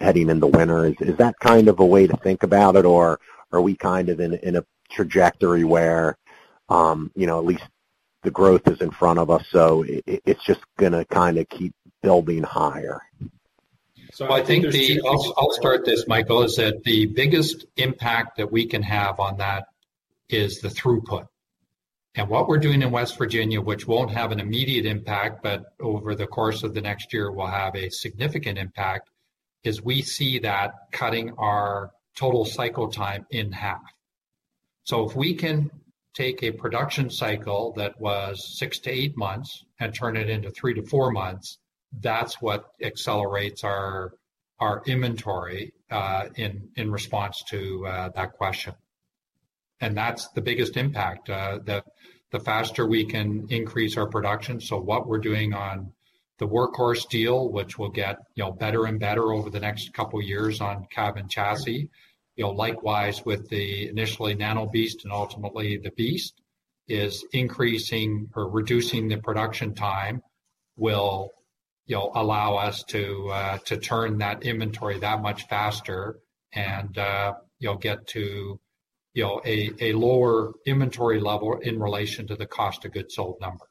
heading in the winter? Is that kind of a way to think about it, or are we kind of in a trajectory where, you know, at least the growth is in front of us, so it's just gonna kinda keep building higher? I think the. I think I'll start this, Michael. The biggest impact that we can have on that is the throughput. What we're doing in West Virginia, which won't have an immediate impact, but over the course of the next year will have a significant impact, is we see that cutting our total cycle time in half. If we can take a production cycle that was six to eight months and turn it into three to four months, that's what accelerates our inventory in response to that question. That's the biggest impact, the faster we can increase our production. What we're doing on the Workhorse deal, which will get, you know, better and better over the next couple years on cab and chassis, you know, likewise with the initially Nano BEAST and ultimately the BEAST, is increasing or reducing the production time will, you know, allow us to to turn that inventory that much faster and, you know, get to, you know, a lower inventory level in relation to the cost of goods sold number.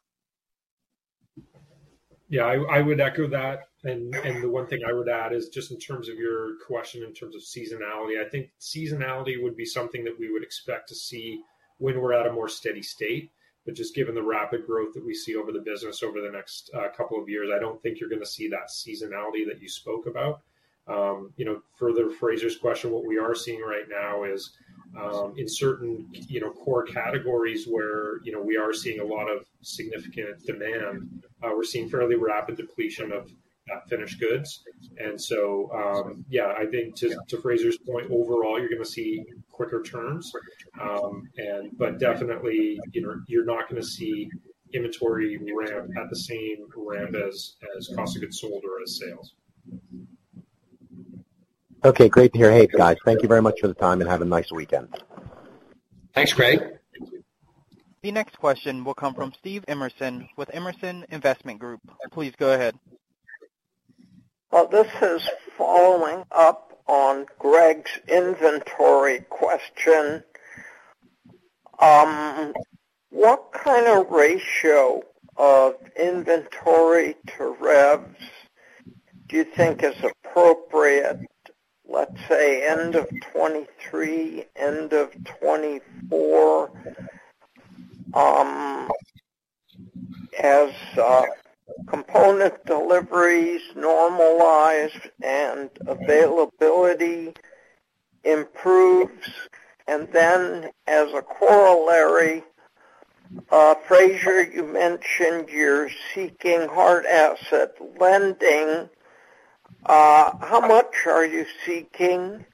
Yeah, I would echo that. The one thing I would add is just in terms of your question in terms of seasonality, I think seasonality would be something that we would expect to see when we're at a more steady state. Just given the rapid growth that we see over the business over the next couple of years, I don't think you're gonna see that seasonality that you spoke about. You know, further Fraser's question, what we are seeing right now is in certain core categories where we are seeing a lot of significant demand, we're seeing fairly rapid depletion of finished goods. Yeah, I think to Fraser's point, overall, you're gonna see quicker turns. Definitely, you know, you're not gonna see inventory ramp at the same ramp as cost of goods sold or as sales. Okay, great to hear. Hey, guys, thank you very much for the time and have a nice weekend. Thanks, Greg. The next question will come from Steve Emerson with Emerson Investment Group. Please go ahead. Well, this is following up on Greg's inventory question. What kind of ratio of inventory to revs do you think is appropriate, let's say, end of 2023, end of 2024, as component deliveries normalize and availability improves? Then as a corollary, Fraser, you mentioned you're seeking hard asset lending. How much are you seeking?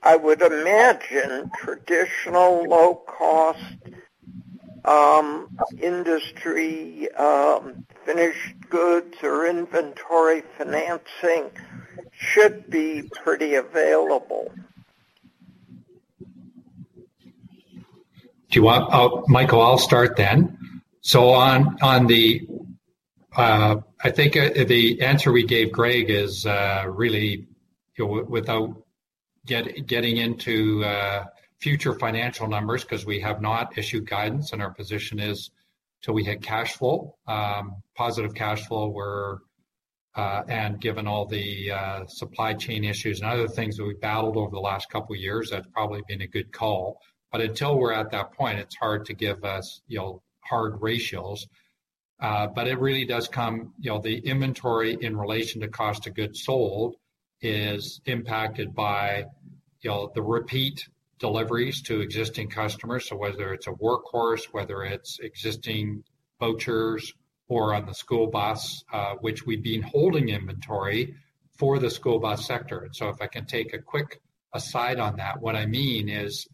I would imagine traditional low cost industry, finished goods or inventory financing should be pretty available. Michael, I'll start then. I think the answer we gave Greg is really, you know, without getting into future financial numbers because we have not issued guidance and our position is till we hit cash flow positive cash flow, we're, and given all the supply chain issues and other things that we've battled over the last couple of years, that's probably been a good call. Until we're at that point, it's hard to give us, you know, hard ratios. It really does come, you know, the inventory in relation to cost of goods sold is impacted by, you know, the repeat deliveries to existing customers. Whether it's a Workhorse, whether it's existing boaters or on the school bus, which we've been holding inventory for the school bus sector. If I can take a quick aside on that, what I mean is,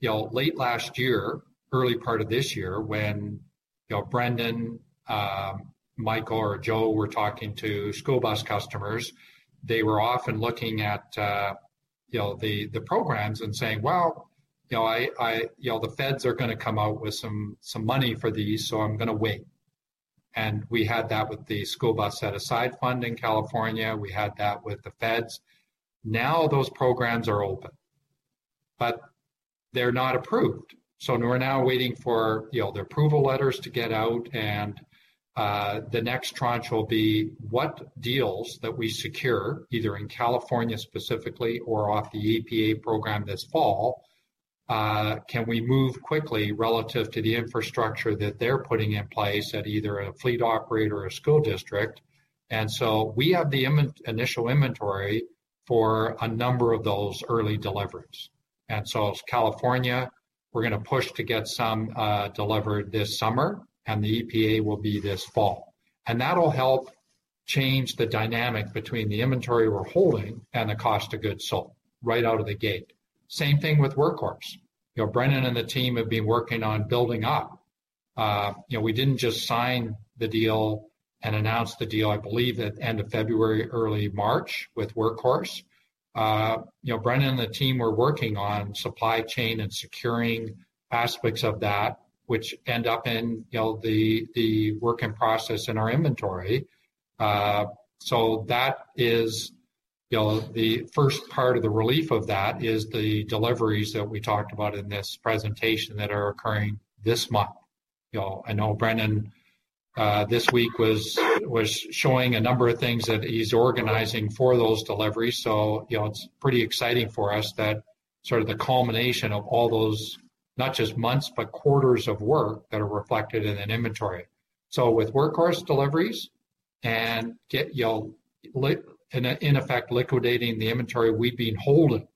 you know, late last year, early part of this year, when you know, Brendan, Michael, or Joe were talking to school bus customers, they were often looking at you know, the programs and saying, "Well, you know, you know, the feds are gonna come out with some money for these, so I'm gonna wait." We had that with the school bus set-aside fund in California. We had that with the feds. Now those programs are open, but they're not approved. We're now waiting for, you know, the approval letters to get out and the next tranche will be what deals that we secure, either in California specifically or off the EPA program this fall, can we move quickly relative to the infrastructure that they're putting in place at either a fleet operator or a school district? We have the initial inventory for a number of those early deliveries. California, we're gonna push to get some delivered this summer, and the EPA will be this fall. That'll help change the dynamic between the inventory we're holding and the cost of goods sold right out of the gate. Same thing with Workhorse. You know, Brendan and the team have been working on building up. You know, we didn't just sign the deal and announce the deal, I believe, at end of February, early March, with Workhorse. You know, Brendan and the team were working on supply chain and securing aspects of that which end up in, you know, the work in process in our inventory. That is, you know, the first part of the relief of that is the deliveries that we talked about in this presentation that are occurring this month. You know, I know Brendan this week was showing a number of things that he's organizing for those deliveries. You know, it's pretty exciting for us that sort of the culmination of all those, not just months, but quarters of work that are reflected in an inventory. With Workhorse deliveries and, you know, in effect liquidating the inventory we've been holding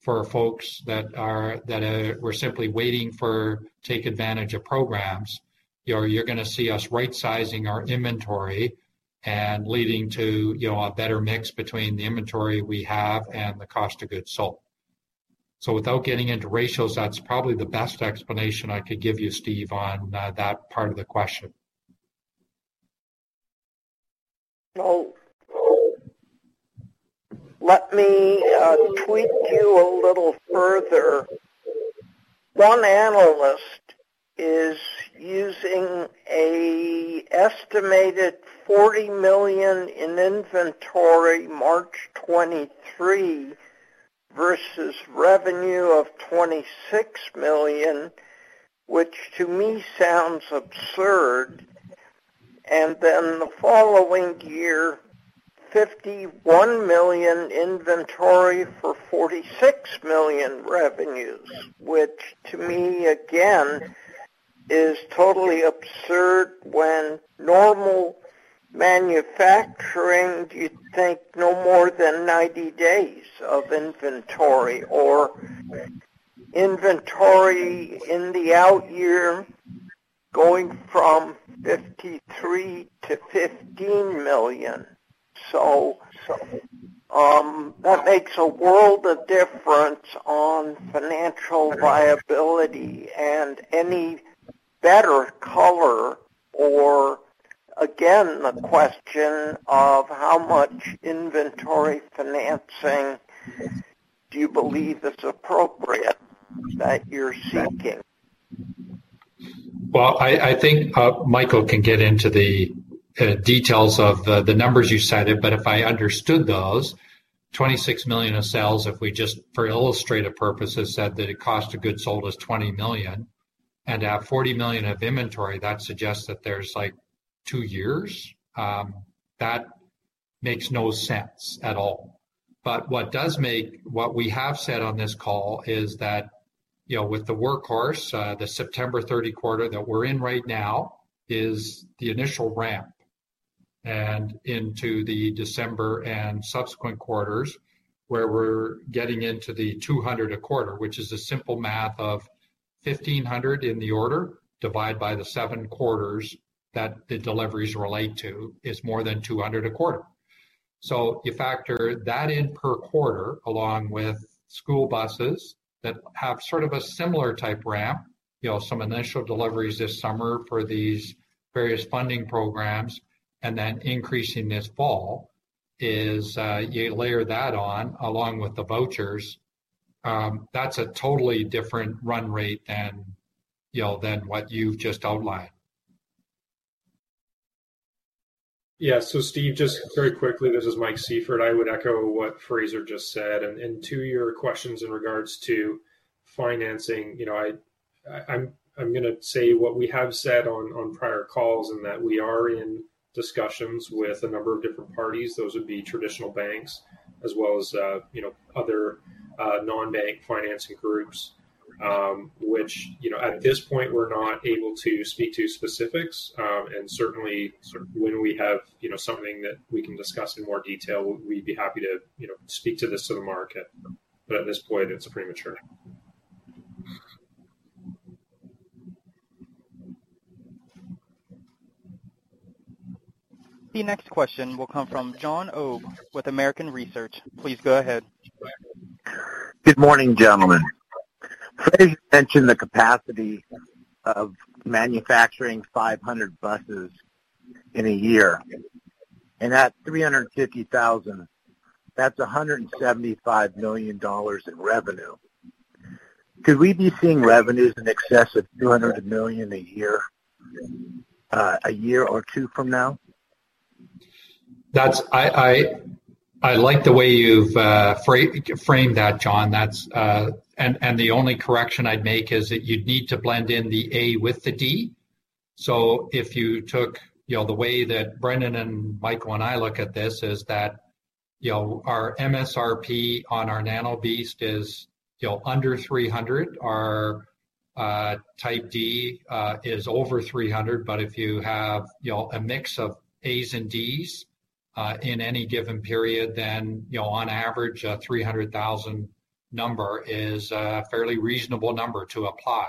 for folks that were simply waiting to take advantage of programs, you know, you're gonna see us rightsizing our inventory and leading to, you know, a better mix between the inventory we have and the cost of goods sold. Without getting into ratios, that's probably the best explanation I could give you, Steve, on that part of the question. Well, let me tweak you a little further. One analyst is using an estimated $40 million in inventory March 2023 versus revenue of $26 million, which to me sounds absurd. The following year, $51 million inventory for $46 million revenues, which to me again is totally absurd when normal manufacturing, you'd think no more than 90 days of inventory or inventory in the out year going from $53 million to $15 million. That makes a world of difference on financial viability and any better color or again, the question of how much inventory financing do you believe is appropriate that you're seeking? Well, I think Michael can get into the details of the numbers you cited, but if I understood those, $26 million of sales, if we just for illustrative purposes said that the cost of goods sold was $20 million and at $40 million of inventory, that suggests that there's like two years that makes no sense at all. What we have said on this call is that, you know, with the Workhorse, the September 30 quarter that we're in right now is the initial ramp, and into the December and subsequent quarters where we're getting into the 200 a quarter, which is the simple math of 1,500 in the order divide by the seven quarters that the deliveries relate to, is more than 200 a quarter. you factor that in per quarter along with school buses that have sort of a similar type ramp, you know, some initial deliveries this summer for these various funding programs, and then increasing this fall is, you layer that on along with the vouchers, that's a totally different run rate than, you know, than what you've just outlined. Yeah. Steve, just very quickly, this is Mike Sieffert. I would echo what Fraser just said. To your questions in regards to financing, you know, I'm gonna say what we have said on prior calls and that we are in discussions with a number of different parties. Those would be traditional banks as well as, you know, other non-bank financing groups, which, you know, at this point, we're not able to speak to specifics. Certainly, when we have, you know, something that we can discuss in more detail, we'd be happy to, you know, speak to this to the market. At this point, it's premature. The next question will come from Jon Ogg with American Research. Please go ahead. Good morning, gentlemen. Fraser mentioned the capacity of manufacturing 500 buses in a year. At $350,000, that's $175 million in revenue. Could we be seeing revenues in excess of $200 million a year or two from now? I like the way you've framed that, Jon. The only correction I'd make is that you'd need to blend in the A with the D. If you took, you know, the way that Brendan and Michael and I look at this is that, you know, our MSRP on our Nano BEAST is, you know, under $300,000. Our Type D is over $300,000. But if you have, you know, a mix of A's and D's in any given period, then, you know, on average a $300,000 number is a fairly reasonable number to apply.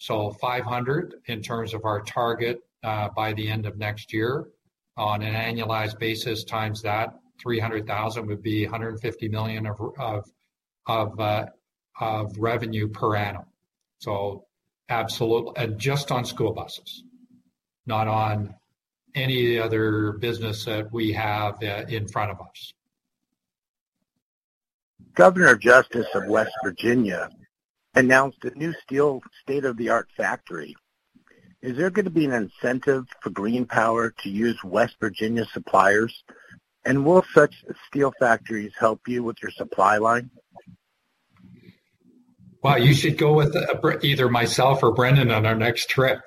500 in terms of our target by the end of next year on an annualized basis times that $300,000 would be $150 million of revenue per annum. Absolutely. Just on school buses, not on any other business that we have in front of us. Jim Justice of West Virginia announced a new state-of-the-art steel factory. Is there gonna be an incentive for GreenPower to use West Virginia suppliers? Will such steel factories help you with your supply chain? Well, you should go with either myself or Brendan on our next trip.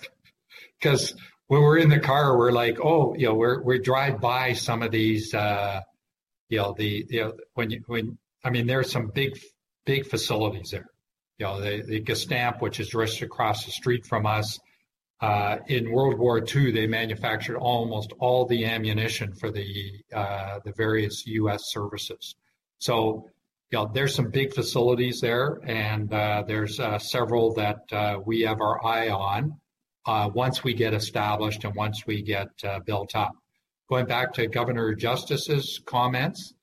'Cause when we're in the car, we're like, you know, we drive by some of these, you know, I mean, there are some big facilities there. You know, the Gestamp, which is just across the street from us, in World War II, they manufactured almost all the ammunition for the various U.S. services. So, you know, there's some big facilities there, and, there's several that, we have our eye on, once we get established and once we get built up. Going back to Jim Justice's comments,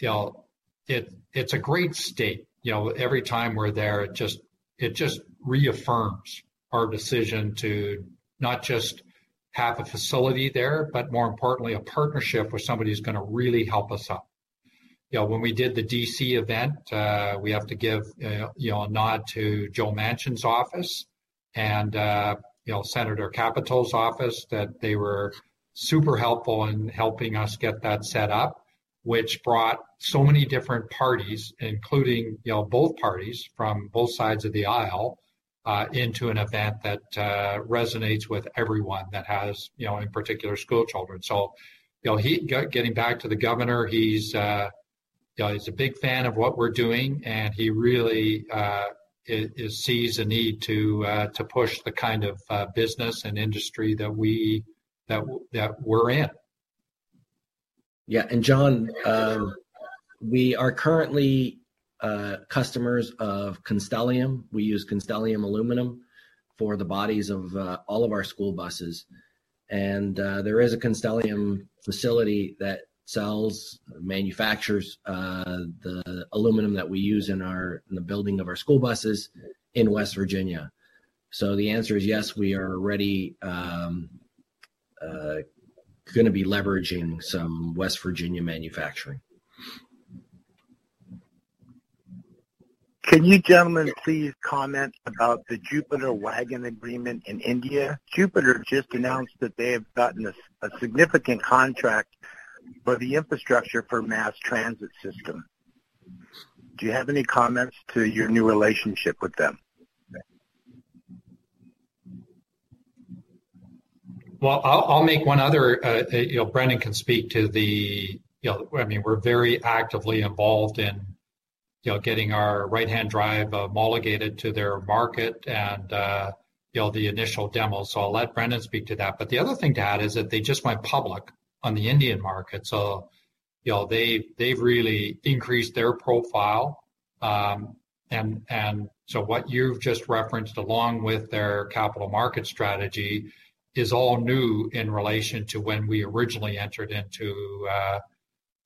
you know, it's a great state. You know, every time we're there, it just reaffirms our decision to not just have a facility there, but more importantly, a partnership with somebody who's gonna really help us out. You know, when we did the D.C. event, we have to give, you know, a nod to Joe Manchin's office and, you know, Senator Capito's office, that they were super helpful in helping us get that set up, which brought so many different parties, including, you know, both parties from both sides of the aisle, into an event that resonates with everyone that has, you know, in particular schoolchildren. You know, getting back to the Governor, he's, you know, he's a big fan of what we're doing, and he really sees a need to push the kind of business and industry that we're in. Yeah. Jon, we are currently customers of Constellium. We use Constellium aluminum for the bodies of all of our school buses. There is a Constellium facility that manufactures the aluminum that we use in the building of our school buses in West Virginia. The answer is yes, we are already gonna be leveraging some West Virginia manufacturing. Can you gentlemen please comment about the Jupiter Wagons agreement in India? Jupiter Wagons just announced that they have gotten a significant contract for the infrastructure for mass transit system. Do you have any comments to your new relationship with them? Well, I'll make one other, you know, Brendan can speak to the, you know. I mean, we're very actively involved in, you know, getting our right-hand drive homologated to their market and, you know, the initial demo. I'll let Brendan speak to that. The other thing to add is that they just went public on the Indian market, so, you know, they've really increased their profile. What you've just referenced along with their capital market strategy is all new in relation to when we originally entered into,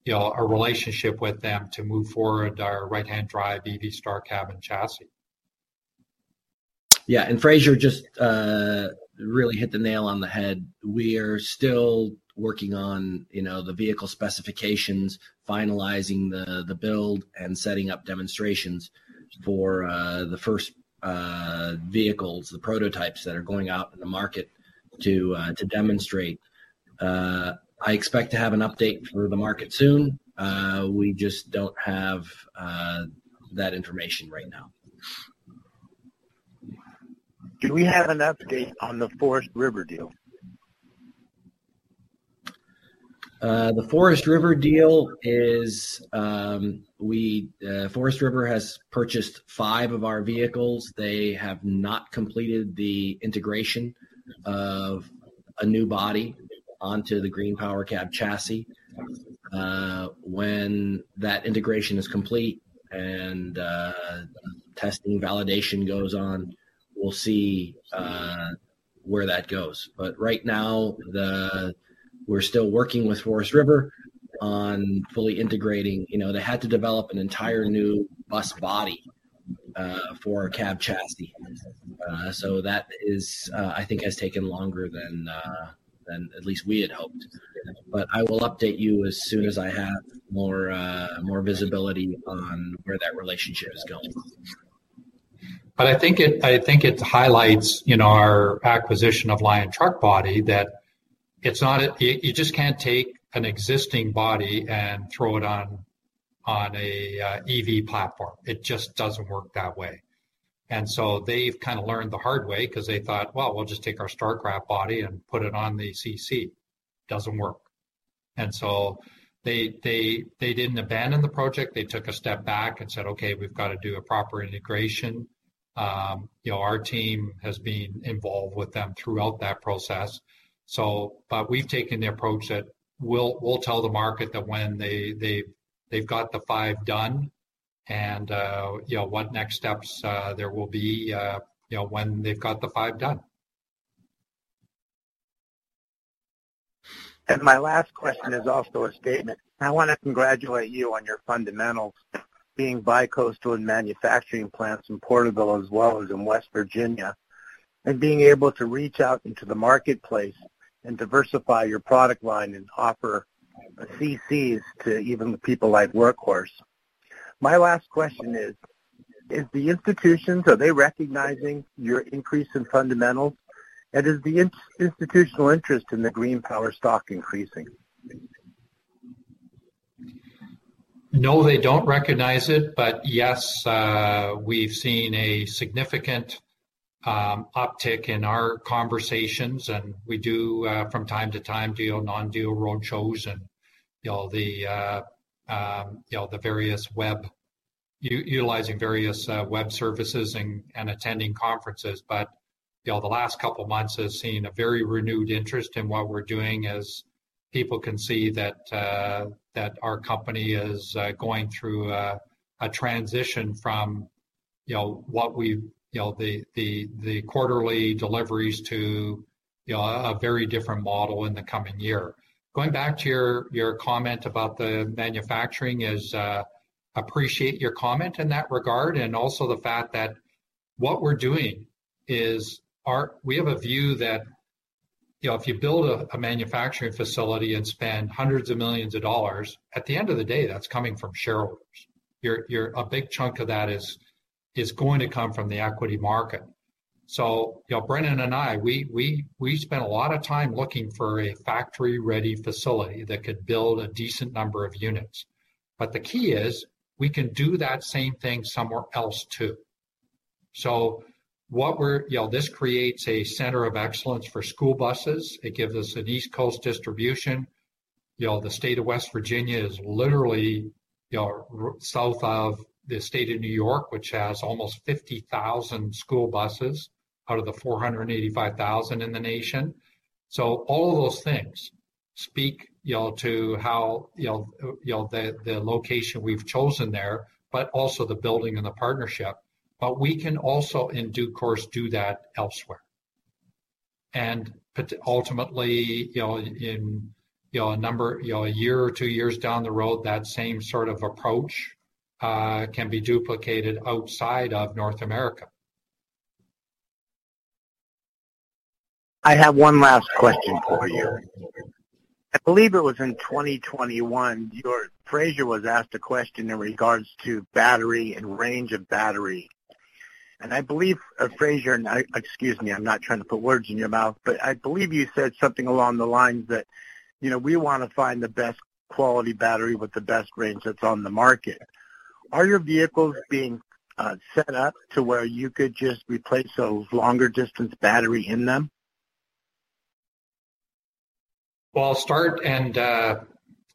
you know, a relationship with them to move forward our right-hand drive EV Star cab and chassis. Yeah. Fraser just really hit the nail on the head. We are still working on, you know, the vehicle specifications, finalizing the build, and setting up demonstrations for the first vehicles, the prototypes that are going out in the market to demonstrate. I expect to have an update for the market soon. We just don't have that information right now. Do we have an update on the Forest River deal? The Forest River deal is, Forest River has purchased five of our vehicles. They have not completed the integration of a new body onto the GreenPower cab chassis. When that integration is complete and testing validation goes on, we'll see where that goes. Right now, we're still working with Forest River on fully integrating. You know, they had to develop an entire new bus body for a cab chassis. That is, I think has taken longer than at least we had hoped. I will update you as soon as I have more visibility on where that relationship is going. I think it highlights in our acquisition of Lion Truck Body that you just can't take an existing body and throw it on a EV platform. It just doesn't work that way. They've kinda learned the hard way 'cause they thought, "Well, we'll just take our Starcraft body and put it on the CC." Doesn't work. They didn't abandon the project. They took a step back and said, "Okay, we've gotta do a proper integration." Our team has been involved with them throughout that process. But we've taken the approach that we'll tell the market that when they've got the five done and what next steps there will be when they've got the five done. My last question is also a statement. I wanna congratulate you on your fundamentals being bicoastal in manufacturing plants in Porterville as well as in West Virginia, and being able to reach out into the marketplace and diversify your product line and offer CCs to even the people like Workhorse. My last question is the institutions, are they recognizing your increase in fundamentals? Is the institutional interest in the GreenPower stock increasing? No, they don't recognize it, but yes, we've seen a significant uptick in our conversations, and we do, from time to time, do non-deal roadshows and, you know, utilizing various web services and attending conferences. You know, the last couple months has seen a very renewed interest in what we're doing as people can see that our company is going through a transition from, you know, the quarterly deliveries to, you know, a very different model in the coming year. Going back to your comment about the manufacturing. I appreciate your comment in that regard and also the fact that what we're doing is we have a view that, you know, if you build a manufacturing facility and spend hundreds of millions of dollars, at the end of the day, that's coming from shareholders. A big chunk of that is going to come from the equity market. You know, Brendan and I, we spent a lot of time looking for a factory-ready facility that could build a decent number of units. The key is we can do that same thing somewhere else too. You know, this creates a center of excellence for school buses. It gives us an East Coast distribution. The state of West Virginia is literally south of the state of New York, which has almost 50,000 school buses out of the 485,000 in the nation. All of those things speak, you know, to how, you know, the location we've chosen there, but also the building and the partnership. We can also, in due course, do that elsewhere. Ultimately, you know, in a year or two years down the road, that same sort of approach can be duplicated outside of North America. I have one last question for you. I believe it was in 2021, your Fraser was asked a question in regards to battery and range of battery. I believe, Fraser. Excuse me, I'm not trying to put words in your mouth, but I believe you said something along the lines that, you know, we wanna find the best quality battery with the best range that's on the market. Are your vehicles being set up to where you could just replace those longer distance battery in them? Well, I'll start and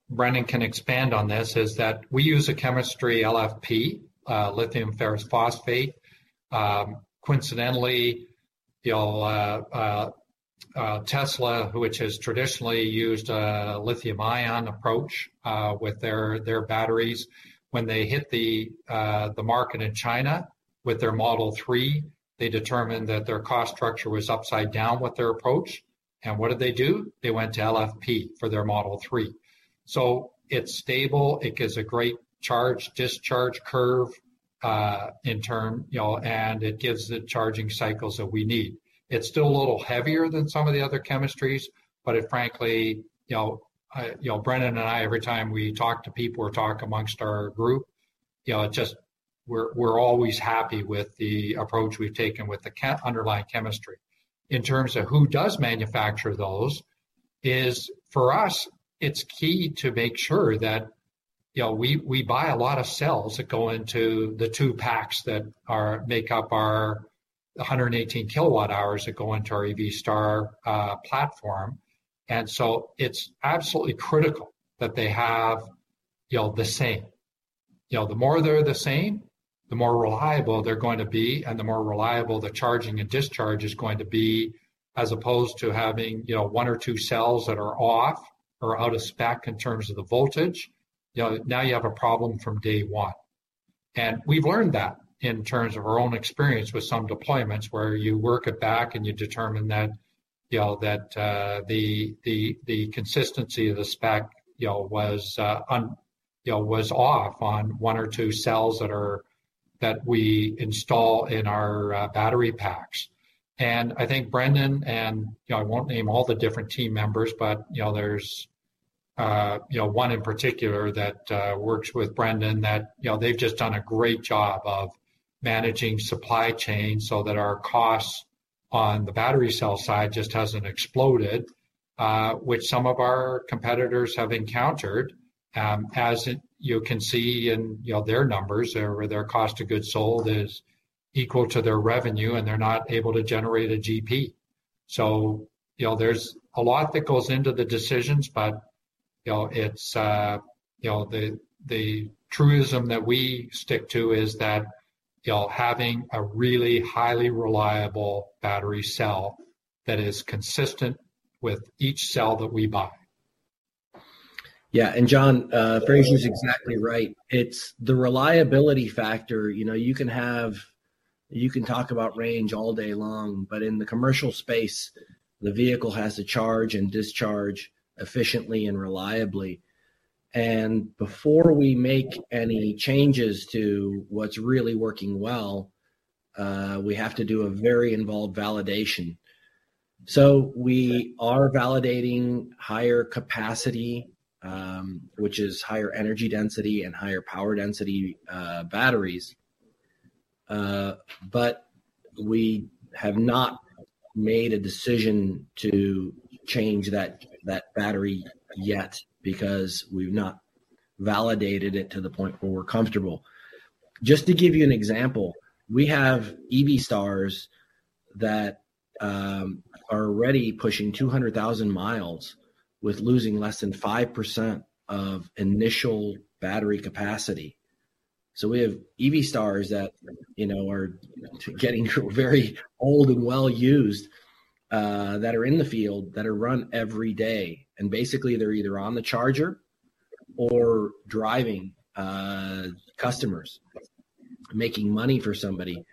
Brendan can expand on this, is that we use a chemistry LFP, lithium iron phosphate. Coincidentally, you know, Tesla, which has traditionally used a lithium ion approach with their batteries, when they hit the market in China with their model three, they determined that their cost structure was upside down with their approach. What did they do? They went to LFP for their model three. It's stable, it gives a great charge, discharge curve in terms, you know, and it gives the charging cycles that we need. It's still a little heavier than some of the other chemistries, but it frankly, you know, Brendan and I, every time we talk to people or talk amongst our group, you know, it just. We're always happy with the approach we've taken with the underlying chemistry. In terms of who does manufacture those is, for us, it's key to make sure that, you know, we buy a lot of cells that go into the two packs that make up our 118 kWh that go into our EV Star platform. It's absolutely critical that they have, you know, the same. You know, the more they're the same, the more reliable they're going to be, and the more reliable the charging and discharge is going to be, as opposed to having, you know, one or two cells that are off or out of spec in terms of the voltage. You know, now you have a problem from day one. We've learned that in terms of our own experience with some deployments where you work it back and you determine that, you know, the consistency of the spec, you know, was off on one or two cells that we install in our battery packs. I think Brendan and, you know, I won't name all the different team members, but, you know, there's one in particular that works with Brendan that, you know, they've just done a great job of managing supply chain so that our costs on the battery cell side just hasn't exploded, which some of our competitors have encountered, as you can see in, you know, their numbers or their cost of goods sold is equal to their revenue, and they're not able to generate a GP. You know, there's a lot that goes into the decisions, but, you know, it's, you know, the truism that we stick to is that, you know, having a really highly reliable battery cell that is consistent with each cell that we buy. Yeah. Jon, Fraser's exactly right. It's the reliability factor. You know, you can talk about range all day long, but in the commercial space, the vehicle has to charge and discharge efficiently and reliably. Before we make any changes to what's really working well, we have to do a very involved validation. We are validating higher capacity, which is higher energy density and higher power density, batteries. But we have not made a decision to change that battery yet because we've not validated it to the point where we're comfortable. Just to give you an example, we have EV Stars that are already pushing 200,000 miles without losing less than 5% of initial battery capacity. We have EV Star that, you know, are getting very old and well used, that are in the field, that are run every day. Basically, they're either on the charger or driving customers, making money for somebody.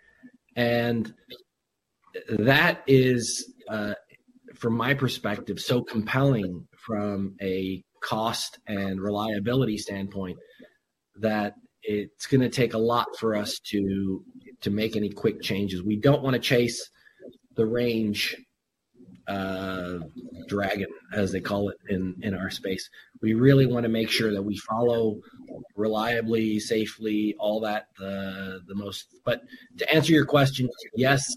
That is, from my perspective, so compelling from a cost and reliability standpoint, that it's gonna take a lot for us to make any quick changes. We don't wanna chase the range dragon, as they call it in our space. We really wanna make sure that we follow reliably, safely, all that, the most. To answer your question, yes,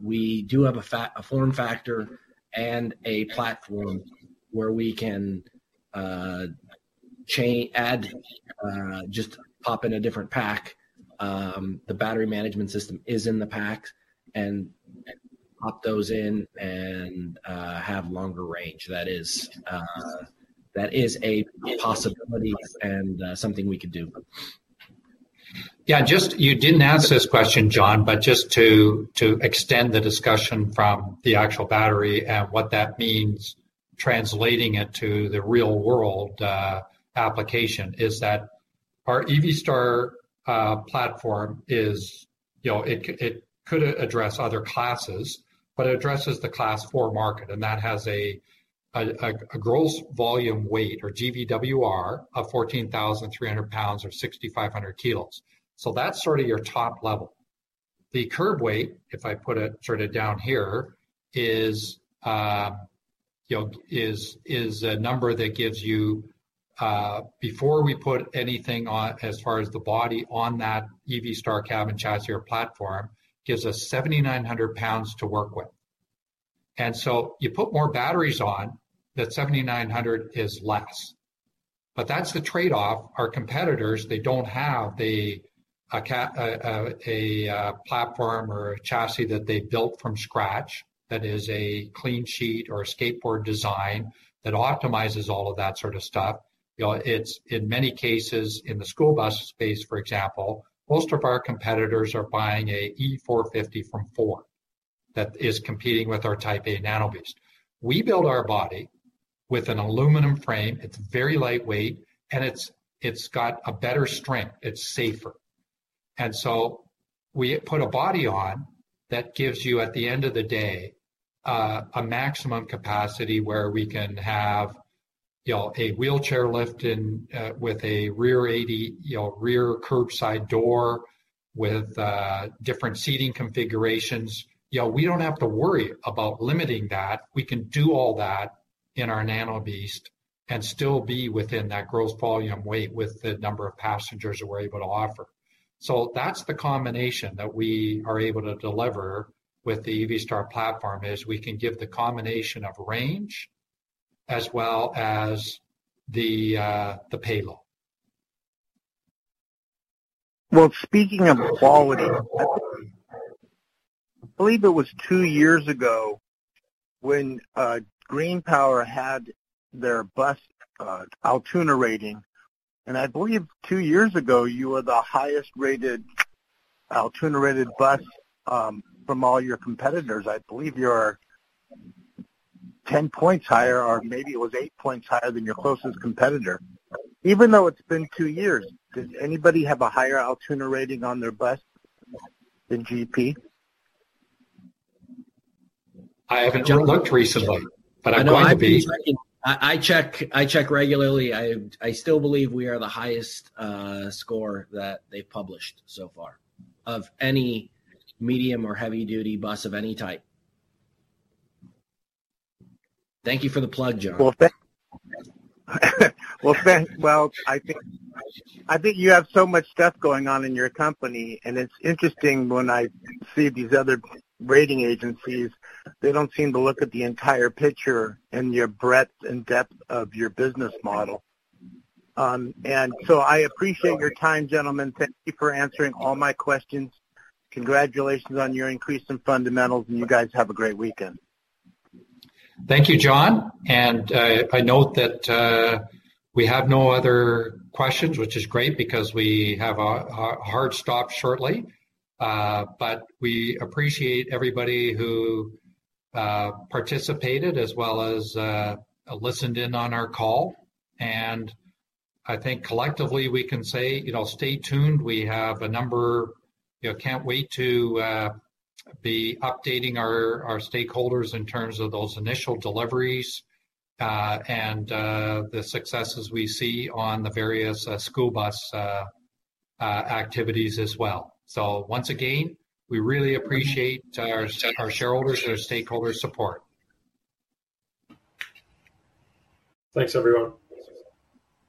we do have a form factor and a platform where we can add just pop in a different pack. The battery management system is in the pack and pop those in and have longer range. That is a possibility and something we could do. Yeah, just you didn't ask this question, John, but just to extend the discussion from the actual battery and what that means, translating it to the real-world application, is that our EV Star platform is, you know, it could address other classes, but it addresses the class four market, and that has a gross vehicle weight or GVWR of 14,300 lbs or 6,500 kilos. So that's sort of your top level. The curb weight, if I put it sort of down here, is, you know, a number that gives you, before we put anything on as far as the body on that EV Star Cab and Chassis or platform, gives us 7,900 lbs to work with. You put more batteries on, that 7,900 is less. That's the trade-off. Our competitors, they don't have a platform or a chassis that they built from scratch that is a clean sheet or a skateboard design that optimizes all of that sort of stuff. You know, it's in many cases in the school bus space, for example, most of our competitors are buying a E-450 from Ford that is competing with our Type A Nano BEAST. We build our body with an aluminum frame. It's very lightweight, and it's got a better strength. It's safer. We put a body on that gives you, at the end of the day, a maximum capacity where we can have, you know, a wheelchair lift in with a rear entry, you know, rear curbside door with different seating configurations. You know, we don't have to worry about limiting that. We can do all that in our Nano BEAST and still be within that gross vehicle weight with the number of passengers that we're able to offer. That's the combination that we are able to deliver with the EV Star platform, is we can give the combination of range as well as the payload. Well, speaking of quality, I believe it was two years ago when GreenPower had their bus Altoona rating. I believe two years ago, you were the highest-rated Altoona-rated bus from all your competitors. I believe you were 10 points higher, or maybe it was eight points higher than your closest competitor. Even though it's been two years, does anybody have a higher Altoona rating on their bus than GP? I haven't looked recently, but I'm glad to be. I check regularly. I still believe we are the highest score that they've published so far of any medium or heavy-duty bus of any type. Thank you for the plug, Jon. Well, I think you have so much stuff going on in your company, and it's interesting when I see these other rating agencies. They don't seem to look at the entire picture and your breadth and depth of your business model. I appreciate your time, gentlemen. Thank you for answering all my questions. Congratulations on your increase in fundamentals, and you guys have a great weekend. Thank you, John. I note that we have no other questions, which is great because we have a hard stop shortly. We appreciate everybody who participated as well as listened in on our call. I think collectively we can say, you know, stay tuned. You know, can't wait to be updating our stakeholders in terms of those initial deliveries and the successes we see on the various school bus activities as well. Once again, we really appreciate our shareholders, our stakeholders' support. Thanks, everyone.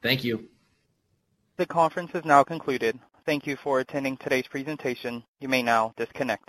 Thank you. The conference has now concluded. Thank you for attending today's presentation. You may now disconnect.